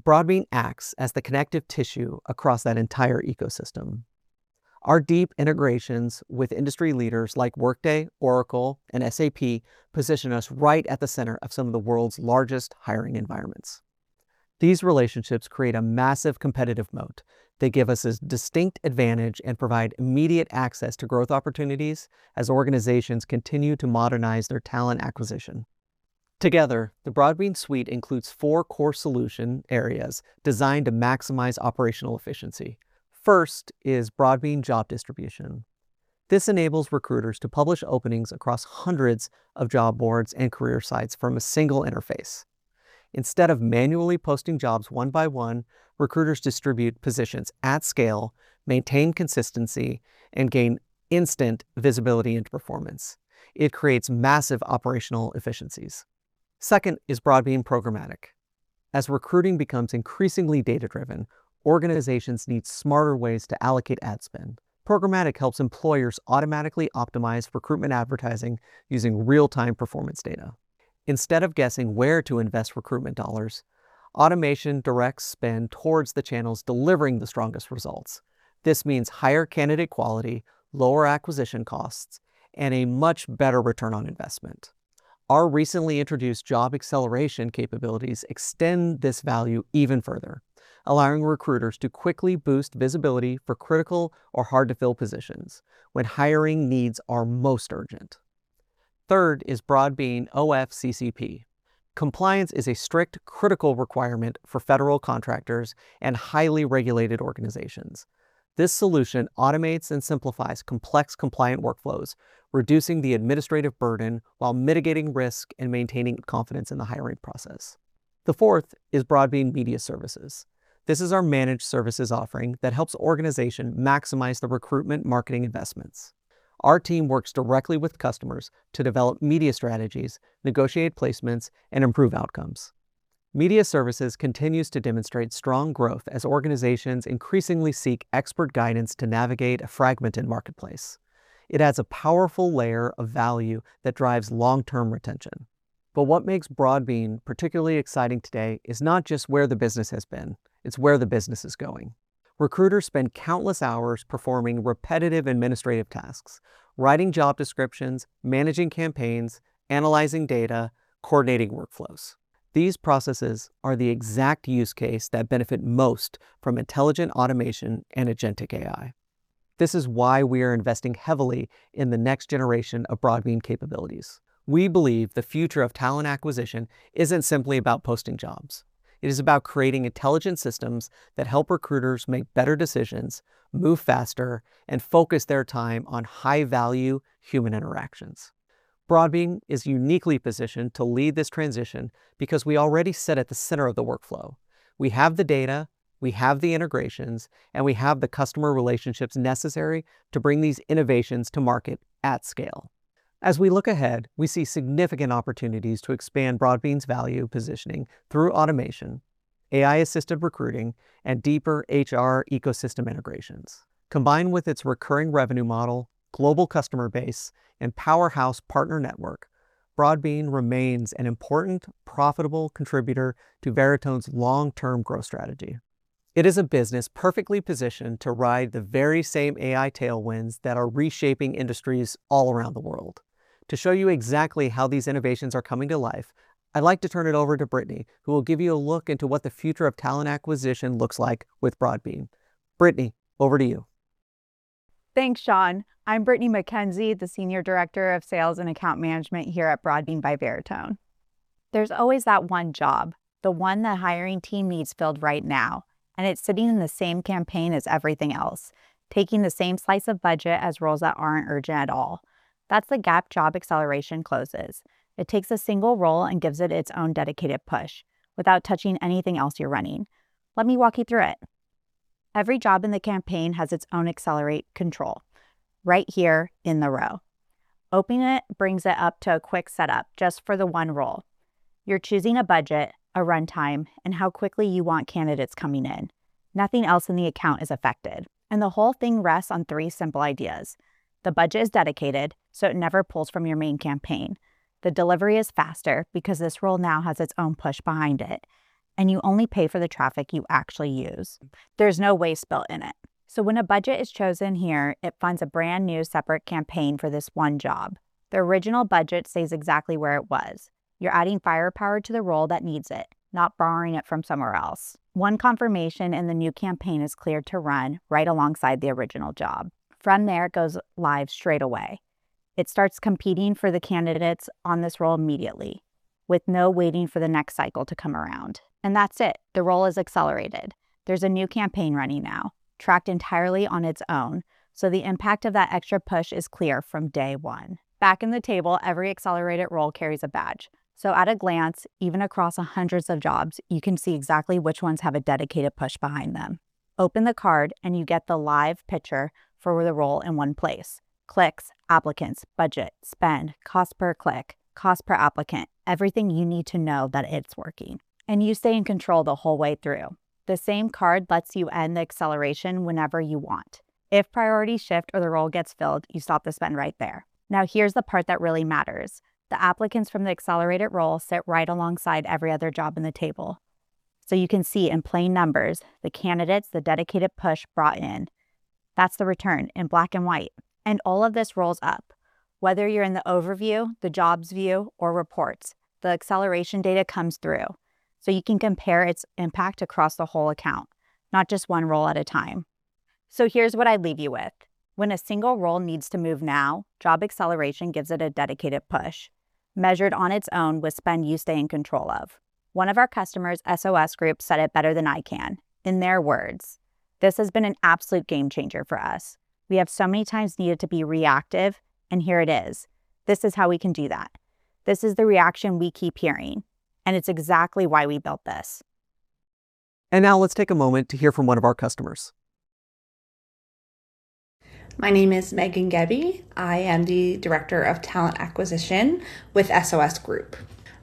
Broadbean acts as the connective tissue across that entire ecosystem. Our deep integrations with industry leaders like Workday, Oracle, and SAP position us right at the center of some of the world's largest hiring environments. These relationships create a massive competitive moat. They give us a distinct advantage and provide immediate access to growth opportunities as organizations continue to modernize their talent acquisition. Together, the Broadbean suite includes four core solution areas designed to maximize operational efficiency. First is Broadbean Job Distribution. This enables recruiters to publish openings across hundreds of job boards and career sites from a single interface. Instead of manually posting jobs one by one, recruiters distribute positions at scale, maintain consistency, and gain instant visibility into performance. It creates massive operational efficiencies. Second is Broadbean Programmatic. As recruiting becomes increasingly data-driven, organizations need smarter ways to allocate ad spend. Programmatic helps employers automatically optimize recruitment advertising using real-time performance data. Instead of guessing where to invest recruitment dollars, automation directs spend towards the channels delivering the strongest results. This means higher candidate quality, lower acquisition costs, and a much better return on investment. Our recently introduced Job Acceleration capabilities extend this value even further, allowing recruiters to quickly boost visibility for critical or hard-to-fill positions when hiring needs are most urgent. Third is Broadbean OFCCP. Compliance is a strict critical requirement for federal contractors and highly regulated organizations. This solution automates and simplifies complex compliant workflows, reducing the administrative burden while mitigating risk and maintaining confidence in the hiring process. The fourth is Broadbean Media Services. This is our managed services offering that helps organizations maximize their recruitment marketing investments. Our team works directly with customers to develop media strategies, negotiate placements, and improve outcomes. Media Services continues to demonstrate strong growth as organizations increasingly seek expert guidance to navigate a fragmented marketplace. It adds a powerful layer of value that drives long-term retention. What makes Broadbean particularly exciting today is not just where the business has been, it's where the business is going. Recruiters spend countless hours performing repetitive administrative tasks, writing job descriptions, managing campaigns, analyzing data, coordinating workflows. These processes are the exact use case that benefit most from intelligent automation and agentic AI. This is why we are investing heavily in the next generation of Broadbean capabilities. We believe the future of talent acquisition isn't simply about posting jobs. It is about creating intelligent systems that help recruiters make better decisions, move faster, and focus their time on high-value human interactions. Broadbean is uniquely positioned to lead this transition because we already sit at the center of the workflow. We have the data, we have the integrations, and we have the customer relationships necessary to bring these innovations to market at scale. As we look ahead, we see significant opportunities to expand Broadbean's value positioning through automation, AI-assisted recruiting, and deeper HR ecosystem integrations. Combined with its recurring revenue model, global customer base, and powerhouse partner network, Broadbean remains an important, profitable contributor to Veritone's long-term growth strategy. It is a business perfectly positioned to ride the very same AI tailwinds that are reshaping industries all around the world. To show you exactly how these innovations are coming to life, I'd like to turn it over to Brittany, who will give you a look into what the future of talent acquisition looks like with Broadbean. Brittany, over to you. Thanks, Sean. I'm Brittany McKenzie, the Senior Director of Sales and Account Management here at Broadbean by Veritone. There's always that one job, the one the hiring team needs filled right now, and it's sitting in the same campaign as everything else, taking the same slice of budget as roles that aren't urgent at all. That's the gap Job Acceleration closes. It takes a single role and gives it its own dedicated push without touching anything else you're running. Let me walk you through it. Every job in the campaign has its own accelerate control right here in the row. Opening it brings it up to a quick setup just for the one role. You're choosing a budget, a runtime, and how quickly you want candidates coming in. Nothing else in the account is affected. The whole thing rests on three simple ideas. The budget is dedicated, so it never pulls from your main campaign. The delivery is faster because this role now has its own push behind it, and you only pay for the traffic you actually use. There's no waste built in it. When a budget is chosen here, it funds a brand-new separate campaign for this one job. The original budget stays exactly where it was. You're adding firepower to the role that needs it, not borrowing it from somewhere else. One confirmation and the new campaign is cleared to run right alongside the original job. From there, it goes live straight away. It starts competing for the candidates on this role immediately, with no waiting for the next cycle to come around. That's it. The role is accelerated. There's a new campaign running now, tracked entirely on its own, so the impact of that extra push is clear from day one. Back in the table, every accelerated role carries a badge. At a glance, even across hundreds of jobs, you can see exactly which ones have a dedicated push behind them. Open the card and you get the live picture for the role in one place. Clicks, applicants, budget, spend, cost per click, cost per applicant, everything you need to know that it's working. You stay in control the whole way through. The same card lets you end the acceleration whenever you want. If priorities shift or the role gets filled, you stop the spend right there. Now here's the part that really matters. The applicants from the accelerated role sit right alongside every other job in the table. You can see in plain numbers the candidates the dedicated push brought in. That's the return in black and white. All of this rolls up. Whether you're in the overview, the jobs view, or reports, the acceleration data comes through, so you can compare its impact across the whole account, not just one role at a time. Here's what I leave you with. When a single role needs to move now, Job Acceleration gives it a dedicated push, measured on its own with spend you stay in control of. One of our customers, SOS Group, said it better than I can. In their words, "This has been an absolute game changer for us. We have so many times needed to be reactive, and here it is. This is how we can do that." This is the reaction we keep hearing, and it's exactly why we built this. Now let's take a moment to hear from one of our customers. My name is Megan Gebbie. I am the director of talent acquisition with SOS Group.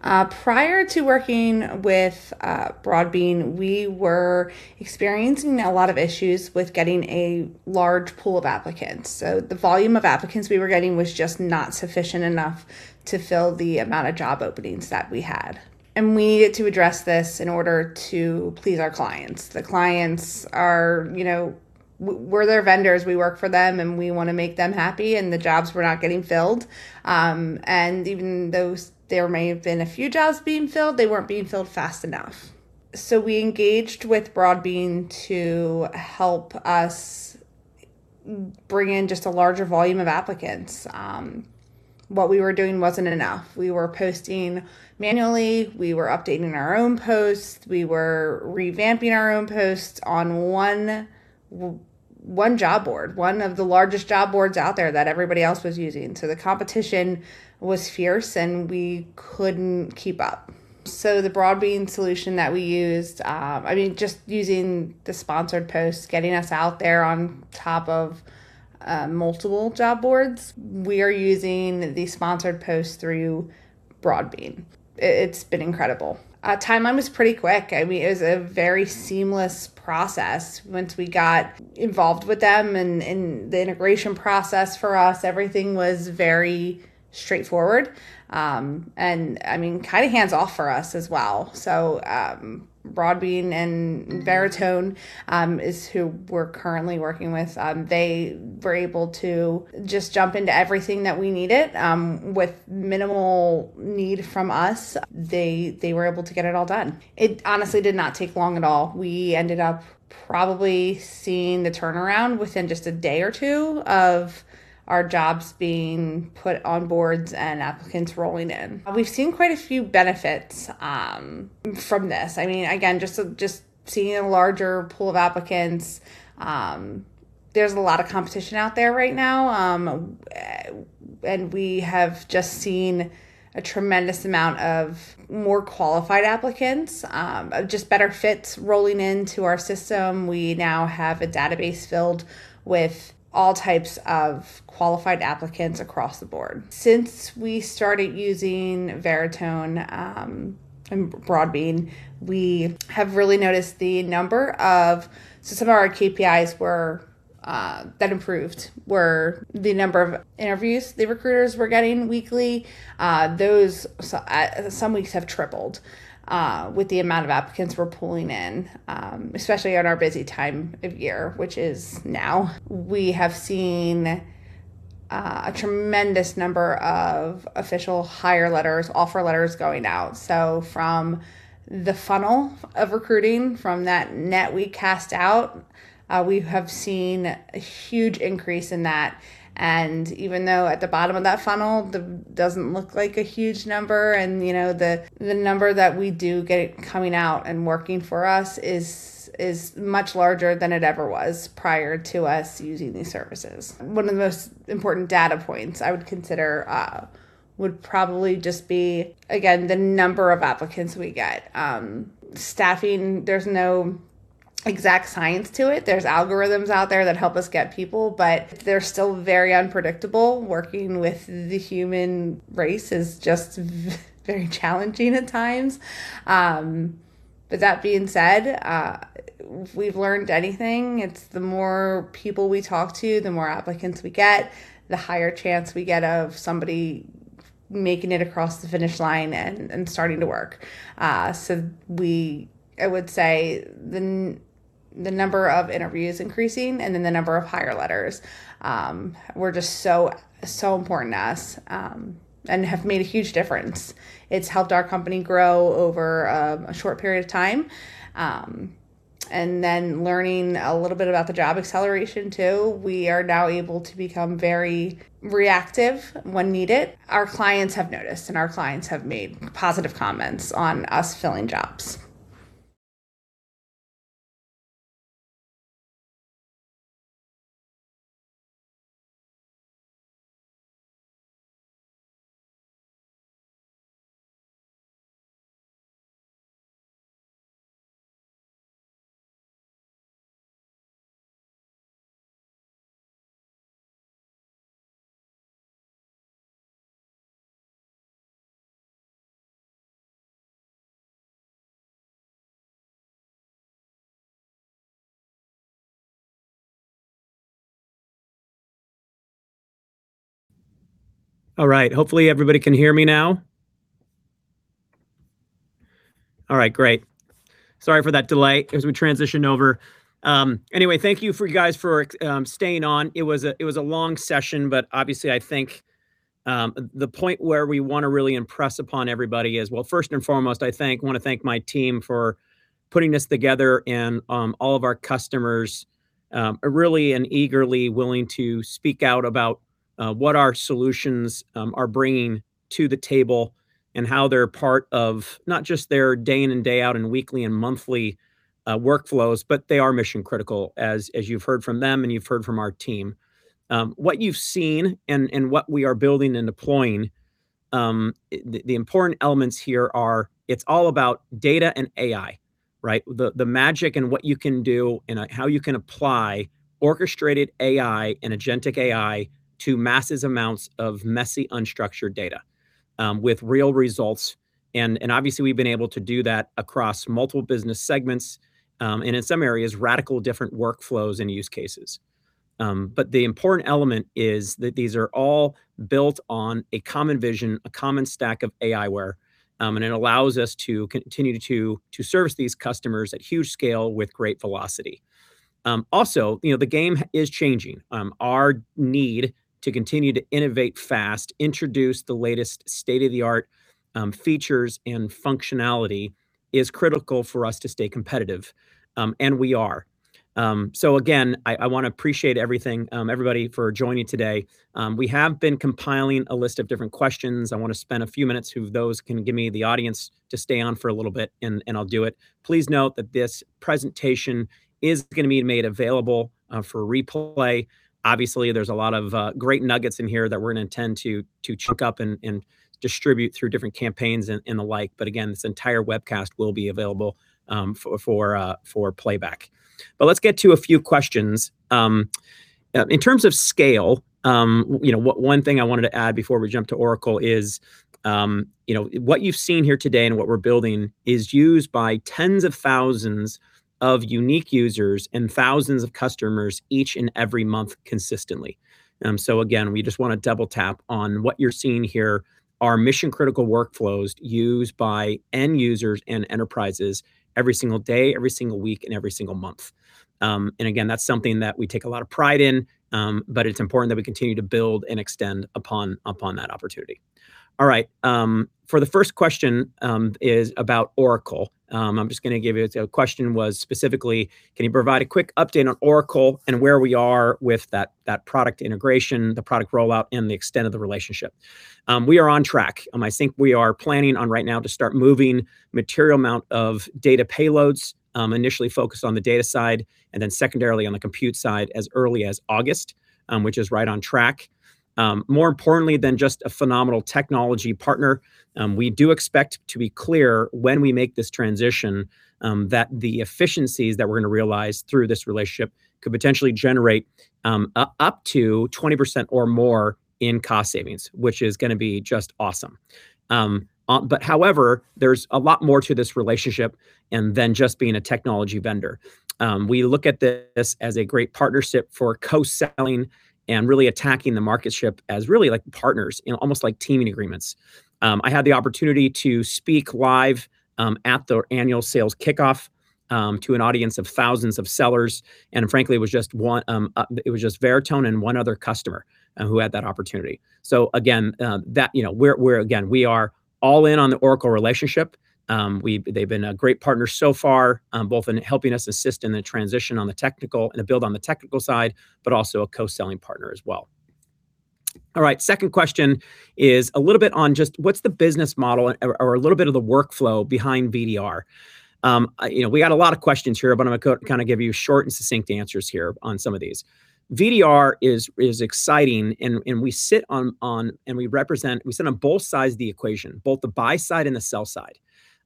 Prior to working with Broadbean, we were experiencing a lot of issues with getting a large pool of applicants. The volume of applicants we were getting was just not sufficient enough to fill the amount of job openings that we had. We needed to address this in order to please our clients. We're their vendors, we work for them, and we want to make them happy, and the jobs were not getting filled. Even though there may have been a few jobs being filled, they weren't being filled fast enough. We engaged with Broadbean to help us bring in just a larger volume of applicants. What we were doing wasn't enough. We were posting manually. We were updating our own posts. We were revamping our own posts on one job board, one of the largest job boards out there that everybody else was using. The competition was fierce, and we couldn't keep up. The Broadbean solution that we used, just using the sponsored posts, getting us out there on top of multiple job boards. We are using the sponsored posts through Broadbean. It's been incredible. Timeline was pretty quick. It was a very seamless process once we got involved with them and the integration process for us, everything was very straightforward. Kind of hands-off for us as well. Broadbean and Veritone is who we're currently working with. They were able to just jump into everything that we needed with minimal need from us. They were able to get it all done. It honestly did not take long at all. We ended up probably seeing the turnaround within just a day or two of our jobs being put on boards and applicants rolling in. We've seen quite a few benefits from this. Again, just seeing a larger pool of applicants. There's a lot of competition out there right now. We have just seen a tremendous amount of more qualified applicants, just better fits rolling into our system. We now have a database filled with all types of qualified applicants across the board. Since we started using Veritone and Broadbean, we have really noticed the number of some of our KPIs that improved were the number of interviews the recruiters were getting weekly. Those, some weeks, have tripled, with the amount of applicants we're pulling in, especially on our busy time of year, which is now. We have seen a tremendous number of official hire letters, offer letters going out. From the funnel of recruiting, from that net we cast out, we have seen a huge increase in that. Even though at the bottom of that funnel, it doesn't look like a huge number, and the number that we do get coming out and working for us is much larger than it ever was prior to us using these services. One of the most important data points I would consider, would probably just be, again, the number of applicants we get. Staffing, there's no exact science to it. There's algorithms out there that help us get people, but they're still very unpredictable. Working with the human race is just very challenging at times. That being said, if we've learned anything, it's the more people we talk to, the more applicants we get, the higher chance we get of somebody making it across the finish line and starting to work. I would say the number of interviews increasing, and then the number of hire letters, were just so important to us, and have made a huge difference. It's helped our company grow over a short period of time. Then learning a little bit about the Job Acceleration, too. We are now able to become very reactive when needed. Our clients have noticed, and our clients have made positive comments on us filling jobs. All right. Hopefully everybody can hear me now. All right, great. Sorry for that delay as we transitioned over. Anyway, thank you guys for staying on. It was a long session, but obviously I think, the point where we want to really impress upon everybody is, well, first and foremost, I want to thank my team for putting this together and all of our customers are really and eagerly willing to speak out about what our solutions are bringing to the table and how they're part of not just their day in and day out and weekly and monthly workflows, but they are mission-critical, as you've heard from them and you've heard from our team. What you've seen and what we are building and deploying, the important elements here are, it's all about data and AI, right? The magic in what you can do and how you can apply orchestrated AI and agentic AI to massive amounts of messy, unstructured data, with real results. Obviously, we've been able to do that across multiple business segments, and in some areas, radical different workflows and use cases. The important element is that these are all built on a common vision, a common stack of aiWARE, and it allows us to continue to service these customers at huge scale with great velocity. The game is changing. Our need to continue to innovate fast, introduce the latest state-of-the-art features and functionality is critical for us to stay competitive, and we are. Again, I want to appreciate everybody for joining today. We have been compiling a list of different questions. I want to spend a few minutes, if those can give me the audience to stay on for a little bit, and I'll do it. Please note that this presentation is going to be made available for replay. Obviously, there's a lot of great nuggets in here that we're going to intend to chunk up and distribute through different campaigns and the like. Again, this entire webcast will be available for playback. Let's get to a few questions. In terms of scale, one thing I wanted to add before we jump to Oracle is, what you've seen here today and what we're building is used by tens of thousands of unique users and thousands of customers each and every month consistently. Again, we just want to double tap on what you're seeing here are mission-critical workflows used by end users and enterprises every single day, every single week, and every single month. Again, that's something that we take a lot of pride in, but it's important that we continue to build and extend upon that opportunity. The first question is about Oracle. The question was specifically, can you provide a quick update on Oracle and where we are with that product integration, the product rollout, and the extent of the relationship? We are on track. I think we are planning on right now to start moving material amount of data payloads, initially focused on the data side and then secondarily on the compute side as early as August, which is right on track. More importantly than just a phenomenal technology partner, we do expect to be clear when we make this transition, that the efficiencies that we're going to realize through this relationship could potentially generate up to 20% or more in cost savings, which is going to be just awesome. However, there's a lot more to this relationship than just being a technology vendor. We look at this as a great partnership for co-selling and really attacking the marketship as really partners in almost like teaming agreements. I had the opportunity to speak live at their annual sales kickoff To an audience of thousands of sellers, and frankly, it was just Veritone and one other customer who had that opportunity. Again, we are all in on the Oracle relationship. They've been a great partner so far, both in helping us assist in the transition on the technical and the build on the technical side, but also a co-selling partner as well. All right. Second question is a little bit on just what's the business model or a little bit of the workflow behind VDR. We got a lot of questions here, but I'm going to give you short and succinct answers here on some of these. VDR is exciting and we sit on both sides of the equation, both the buy side and the sell side.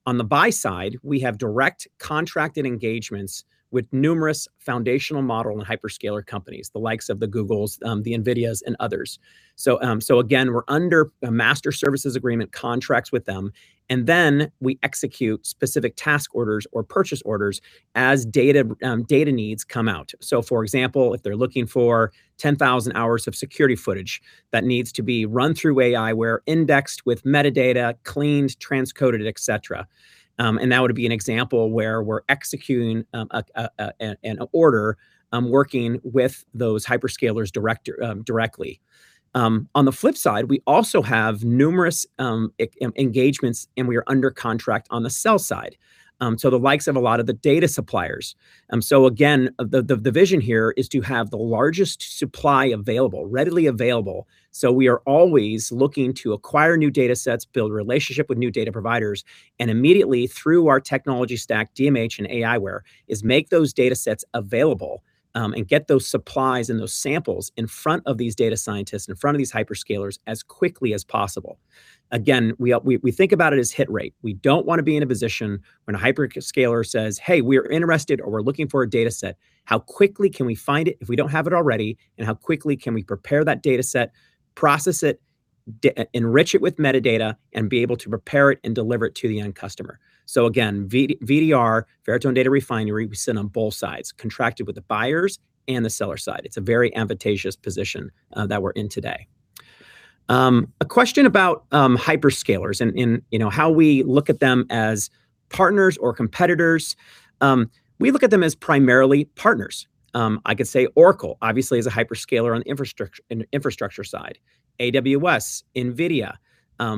On the buy side, we have direct contracted engagements with numerous foundational model and hyperscaler companies, the likes of the Google, the NVIDIA, and others. Again, we're under a master services agreement contracts with them, and then we execute specific task orders or purchase orders as data needs come out. For example, if they're looking for 10,000 hours of security footage, that needs to be run through aiWARE indexed with metadata, cleaned, transcoded, et cetera. That would be an example where we're executing an order, working with those hyperscalers directly. On the flip side, we also have numerous engagements, and we are under contract on the sell side. The likes of a lot of the data suppliers. Again, the vision here is to have the largest supply available, readily available. We are always looking to acquire new datasets, build relationship with new data providers, and immediately, through our technology stack, DMH and aiWARE, is make those datasets available, and get those supplies and those samples in front of these data scientists, in front of these hyperscalers as quickly as possible. Again, we think about it as hit rate. We don't want to be in a position when a hyperscaler says, "Hey, we're interested, or we're looking for a dataset." How quickly can we find it if we don't have it already, and how quickly can we prepare that dataset, process it, enrich it with metadata, and be able to prepare it and deliver it to the end customer? Again, VDR, Veritone Data Refinery, we sit on both sides, contracted with the buyers and the seller side. It's a very advantageous position that we're in today. A question about hyperscalers and how we look at them as partners or competitors. We look at them as primarily partners. I could say Oracle obviously is a hyperscaler on the infrastructure side. AWS, NVIDIA.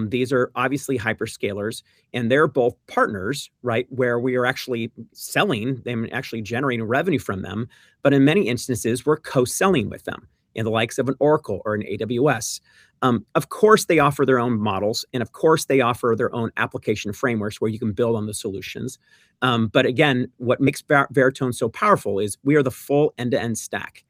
These are obviously hyperscalers, and they're both partners where we are actually selling them, actually generating revenue from them. In many instances, we're co-selling with them in the likes of an Oracle or an AWS. Of course, they offer their own models, and of course, they offer their own application frameworks where you can build on the solutions. Again, what makes Veritone so powerful is we are the full end-to-end stack.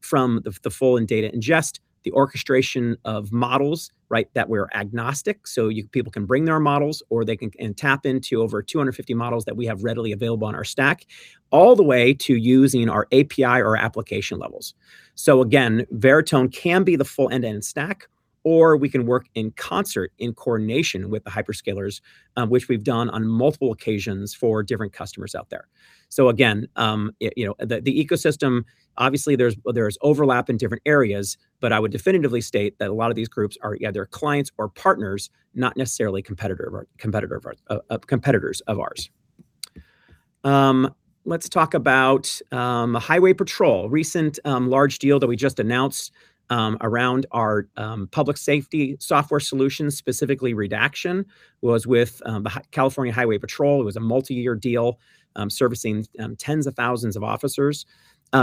From the full end data ingest, the orchestration of models that we're agnostic, so people can bring their models, or they can tap into over 250 models that we have readily available on our stack, all the way to using our API or application levels. Again, Veritone can be the full end-to-end stack, or we can work in concert in coordination with the hyperscalers, which we've done on multiple occasions for different customers out there. Again, the ecosystem, obviously, there's overlap in different areas, but I would definitively state that a lot of these groups are either clients or partners, not necessarily competitors of ours. Let's talk about Highway Patrol, recent large deal that we just announced around our public safety software solutions, specifically redaction, was with the California Highway Patrol. It was a multi-year deal servicing tens of thousands of officers.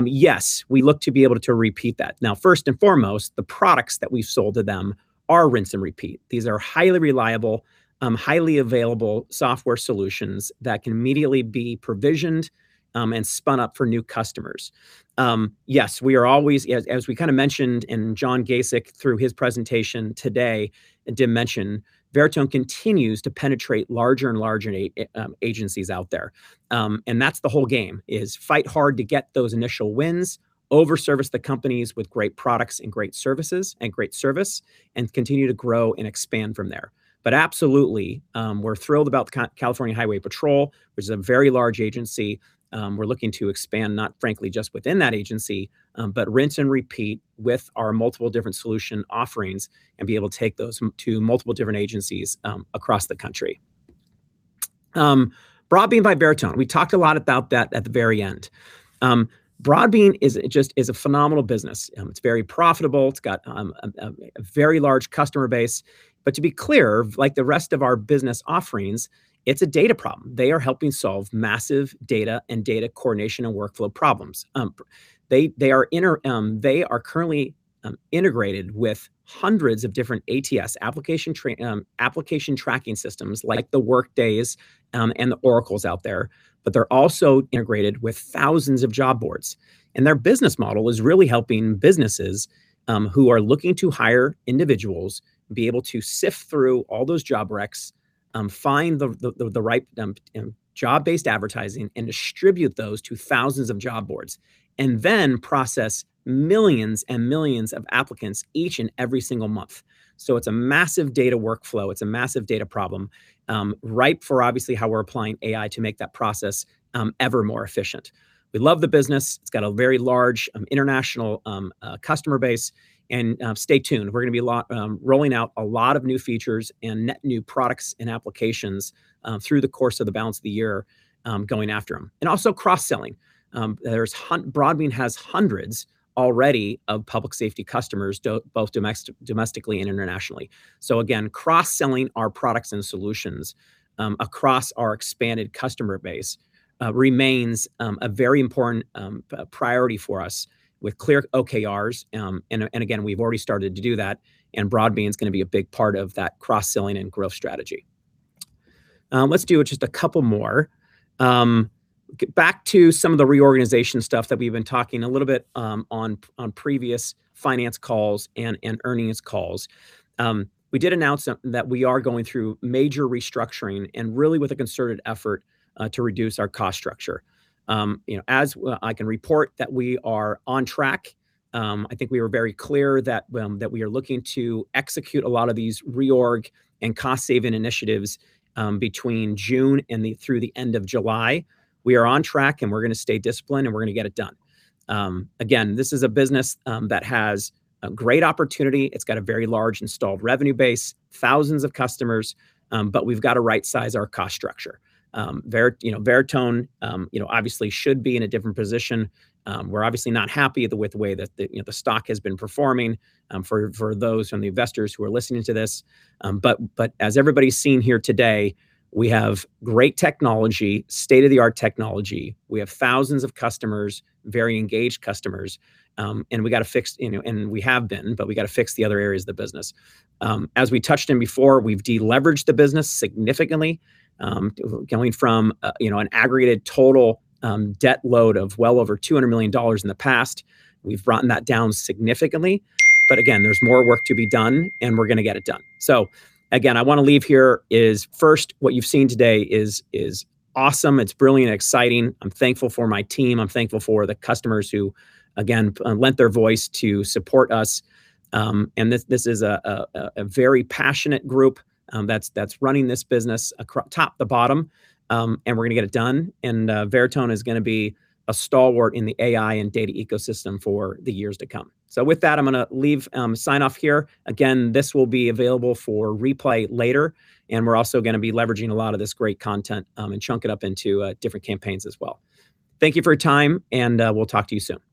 Yes, we look to be able to repeat that. Now, first and foremost, the products that we've sold to them are rinse and repeat. These are highly reliable, highly available software solutions that can immediately be provisioned and spun up for new customers. Yes, we are always, as we mentioned, and Jon Gacek through his presentation today did mention, Veritone continues to penetrate larger and larger agencies out there. That's the whole game is fight hard to get those initial wins, over-service the companies with great products and great service, and continue to grow and expand from there. Absolutely, we're thrilled about the California Highway Patrol, which is a very large agency. We're looking to expand, not frankly just within that agency, but rinse and repeat with our multiple different solution offerings and be able to take those to multiple different agencies across the country. Broadbean by Veritone. We talked a lot about that at the very end. Broadbean is a phenomenal business. It's very profitable. It's got a very large customer base. To be clear, like the rest of our business offerings, it's a data problem. They are helping solve massive data and data coordination and workflow problems. They are currently integrated with hundreds of different ATS, application tracking systems, like the Workdays, and the Oracles out there, but they're also integrated with thousands of job boards. Their business model is really helping businesses who are looking to hire individuals be able to sift through all those job recs Find the right job-based advertising and distribute those to thousands of job boards, and then process millions and millions of applicants each and every single month. It's a massive data workflow. It's a massive data problem. Ripe for obviously how we're applying AI to make that process ever more efficient. We love the business. It's got a very large international customer base. Stay tuned. We're going to be rolling out a lot of new features and net new products and applications through the course of the balance of the year, going after them. Also cross-selling. Broadbean has hundreds already of public safety customers, both domestically and internationally. Again, cross-selling our products and solutions across our expanded customer base remains a very important priority for us with clear OKRs. Again, we've already started to do that, and Broadbean's going to be a big part of that cross-selling and growth strategy. Let's do just a couple more. Back to some of the reorganization stuff that we've been talking a little bit on previous finance calls and earnings calls. We did announce that we are going through major restructuring and really with a concerted effort to reduce our cost structure. As I can report that we are on track. I think we were very clear that we are looking to execute a lot of these reorg and cost-saving initiatives between June and through the end of July. We are on track, we're going to stay disciplined and we're going to get it done. This is a business that has a great opportunity. It's got a very large installed revenue base, thousands of customers, we've got to right-size our cost structure. Veritone obviously should be in a different position. We're obviously not happy with the way that the stock has been performing, for those investors who are listening to this. As everybody's seen here today, we have great technology, state-of-the-art technology. We have thousands of customers, very engaged customers, we have been, we've got to fix the other areas of the business. As we touched on before, we've de-leveraged the business significantly, going from an aggregated total debt load of well over $200 million in the past. We've brought that down significantly. There's more work to be done, we're going to get it done. I want to leave here is first, what you've seen today is awesome. It's brilliant and exciting. I'm thankful for my team. I'm thankful for the customers who lent their voice to support us. This is a very passionate group that's running this business top to bottom, we're going to get it done. Veritone is going to be a stalwart in the AI and data ecosystem for the years to come. With that, I'm going to sign off here. This will be available for replay later, we're also going to be leveraging a lot of this great content and chunk it up into different campaigns as well. Thank you for your time, we'll talk to you soon. Bye-bye.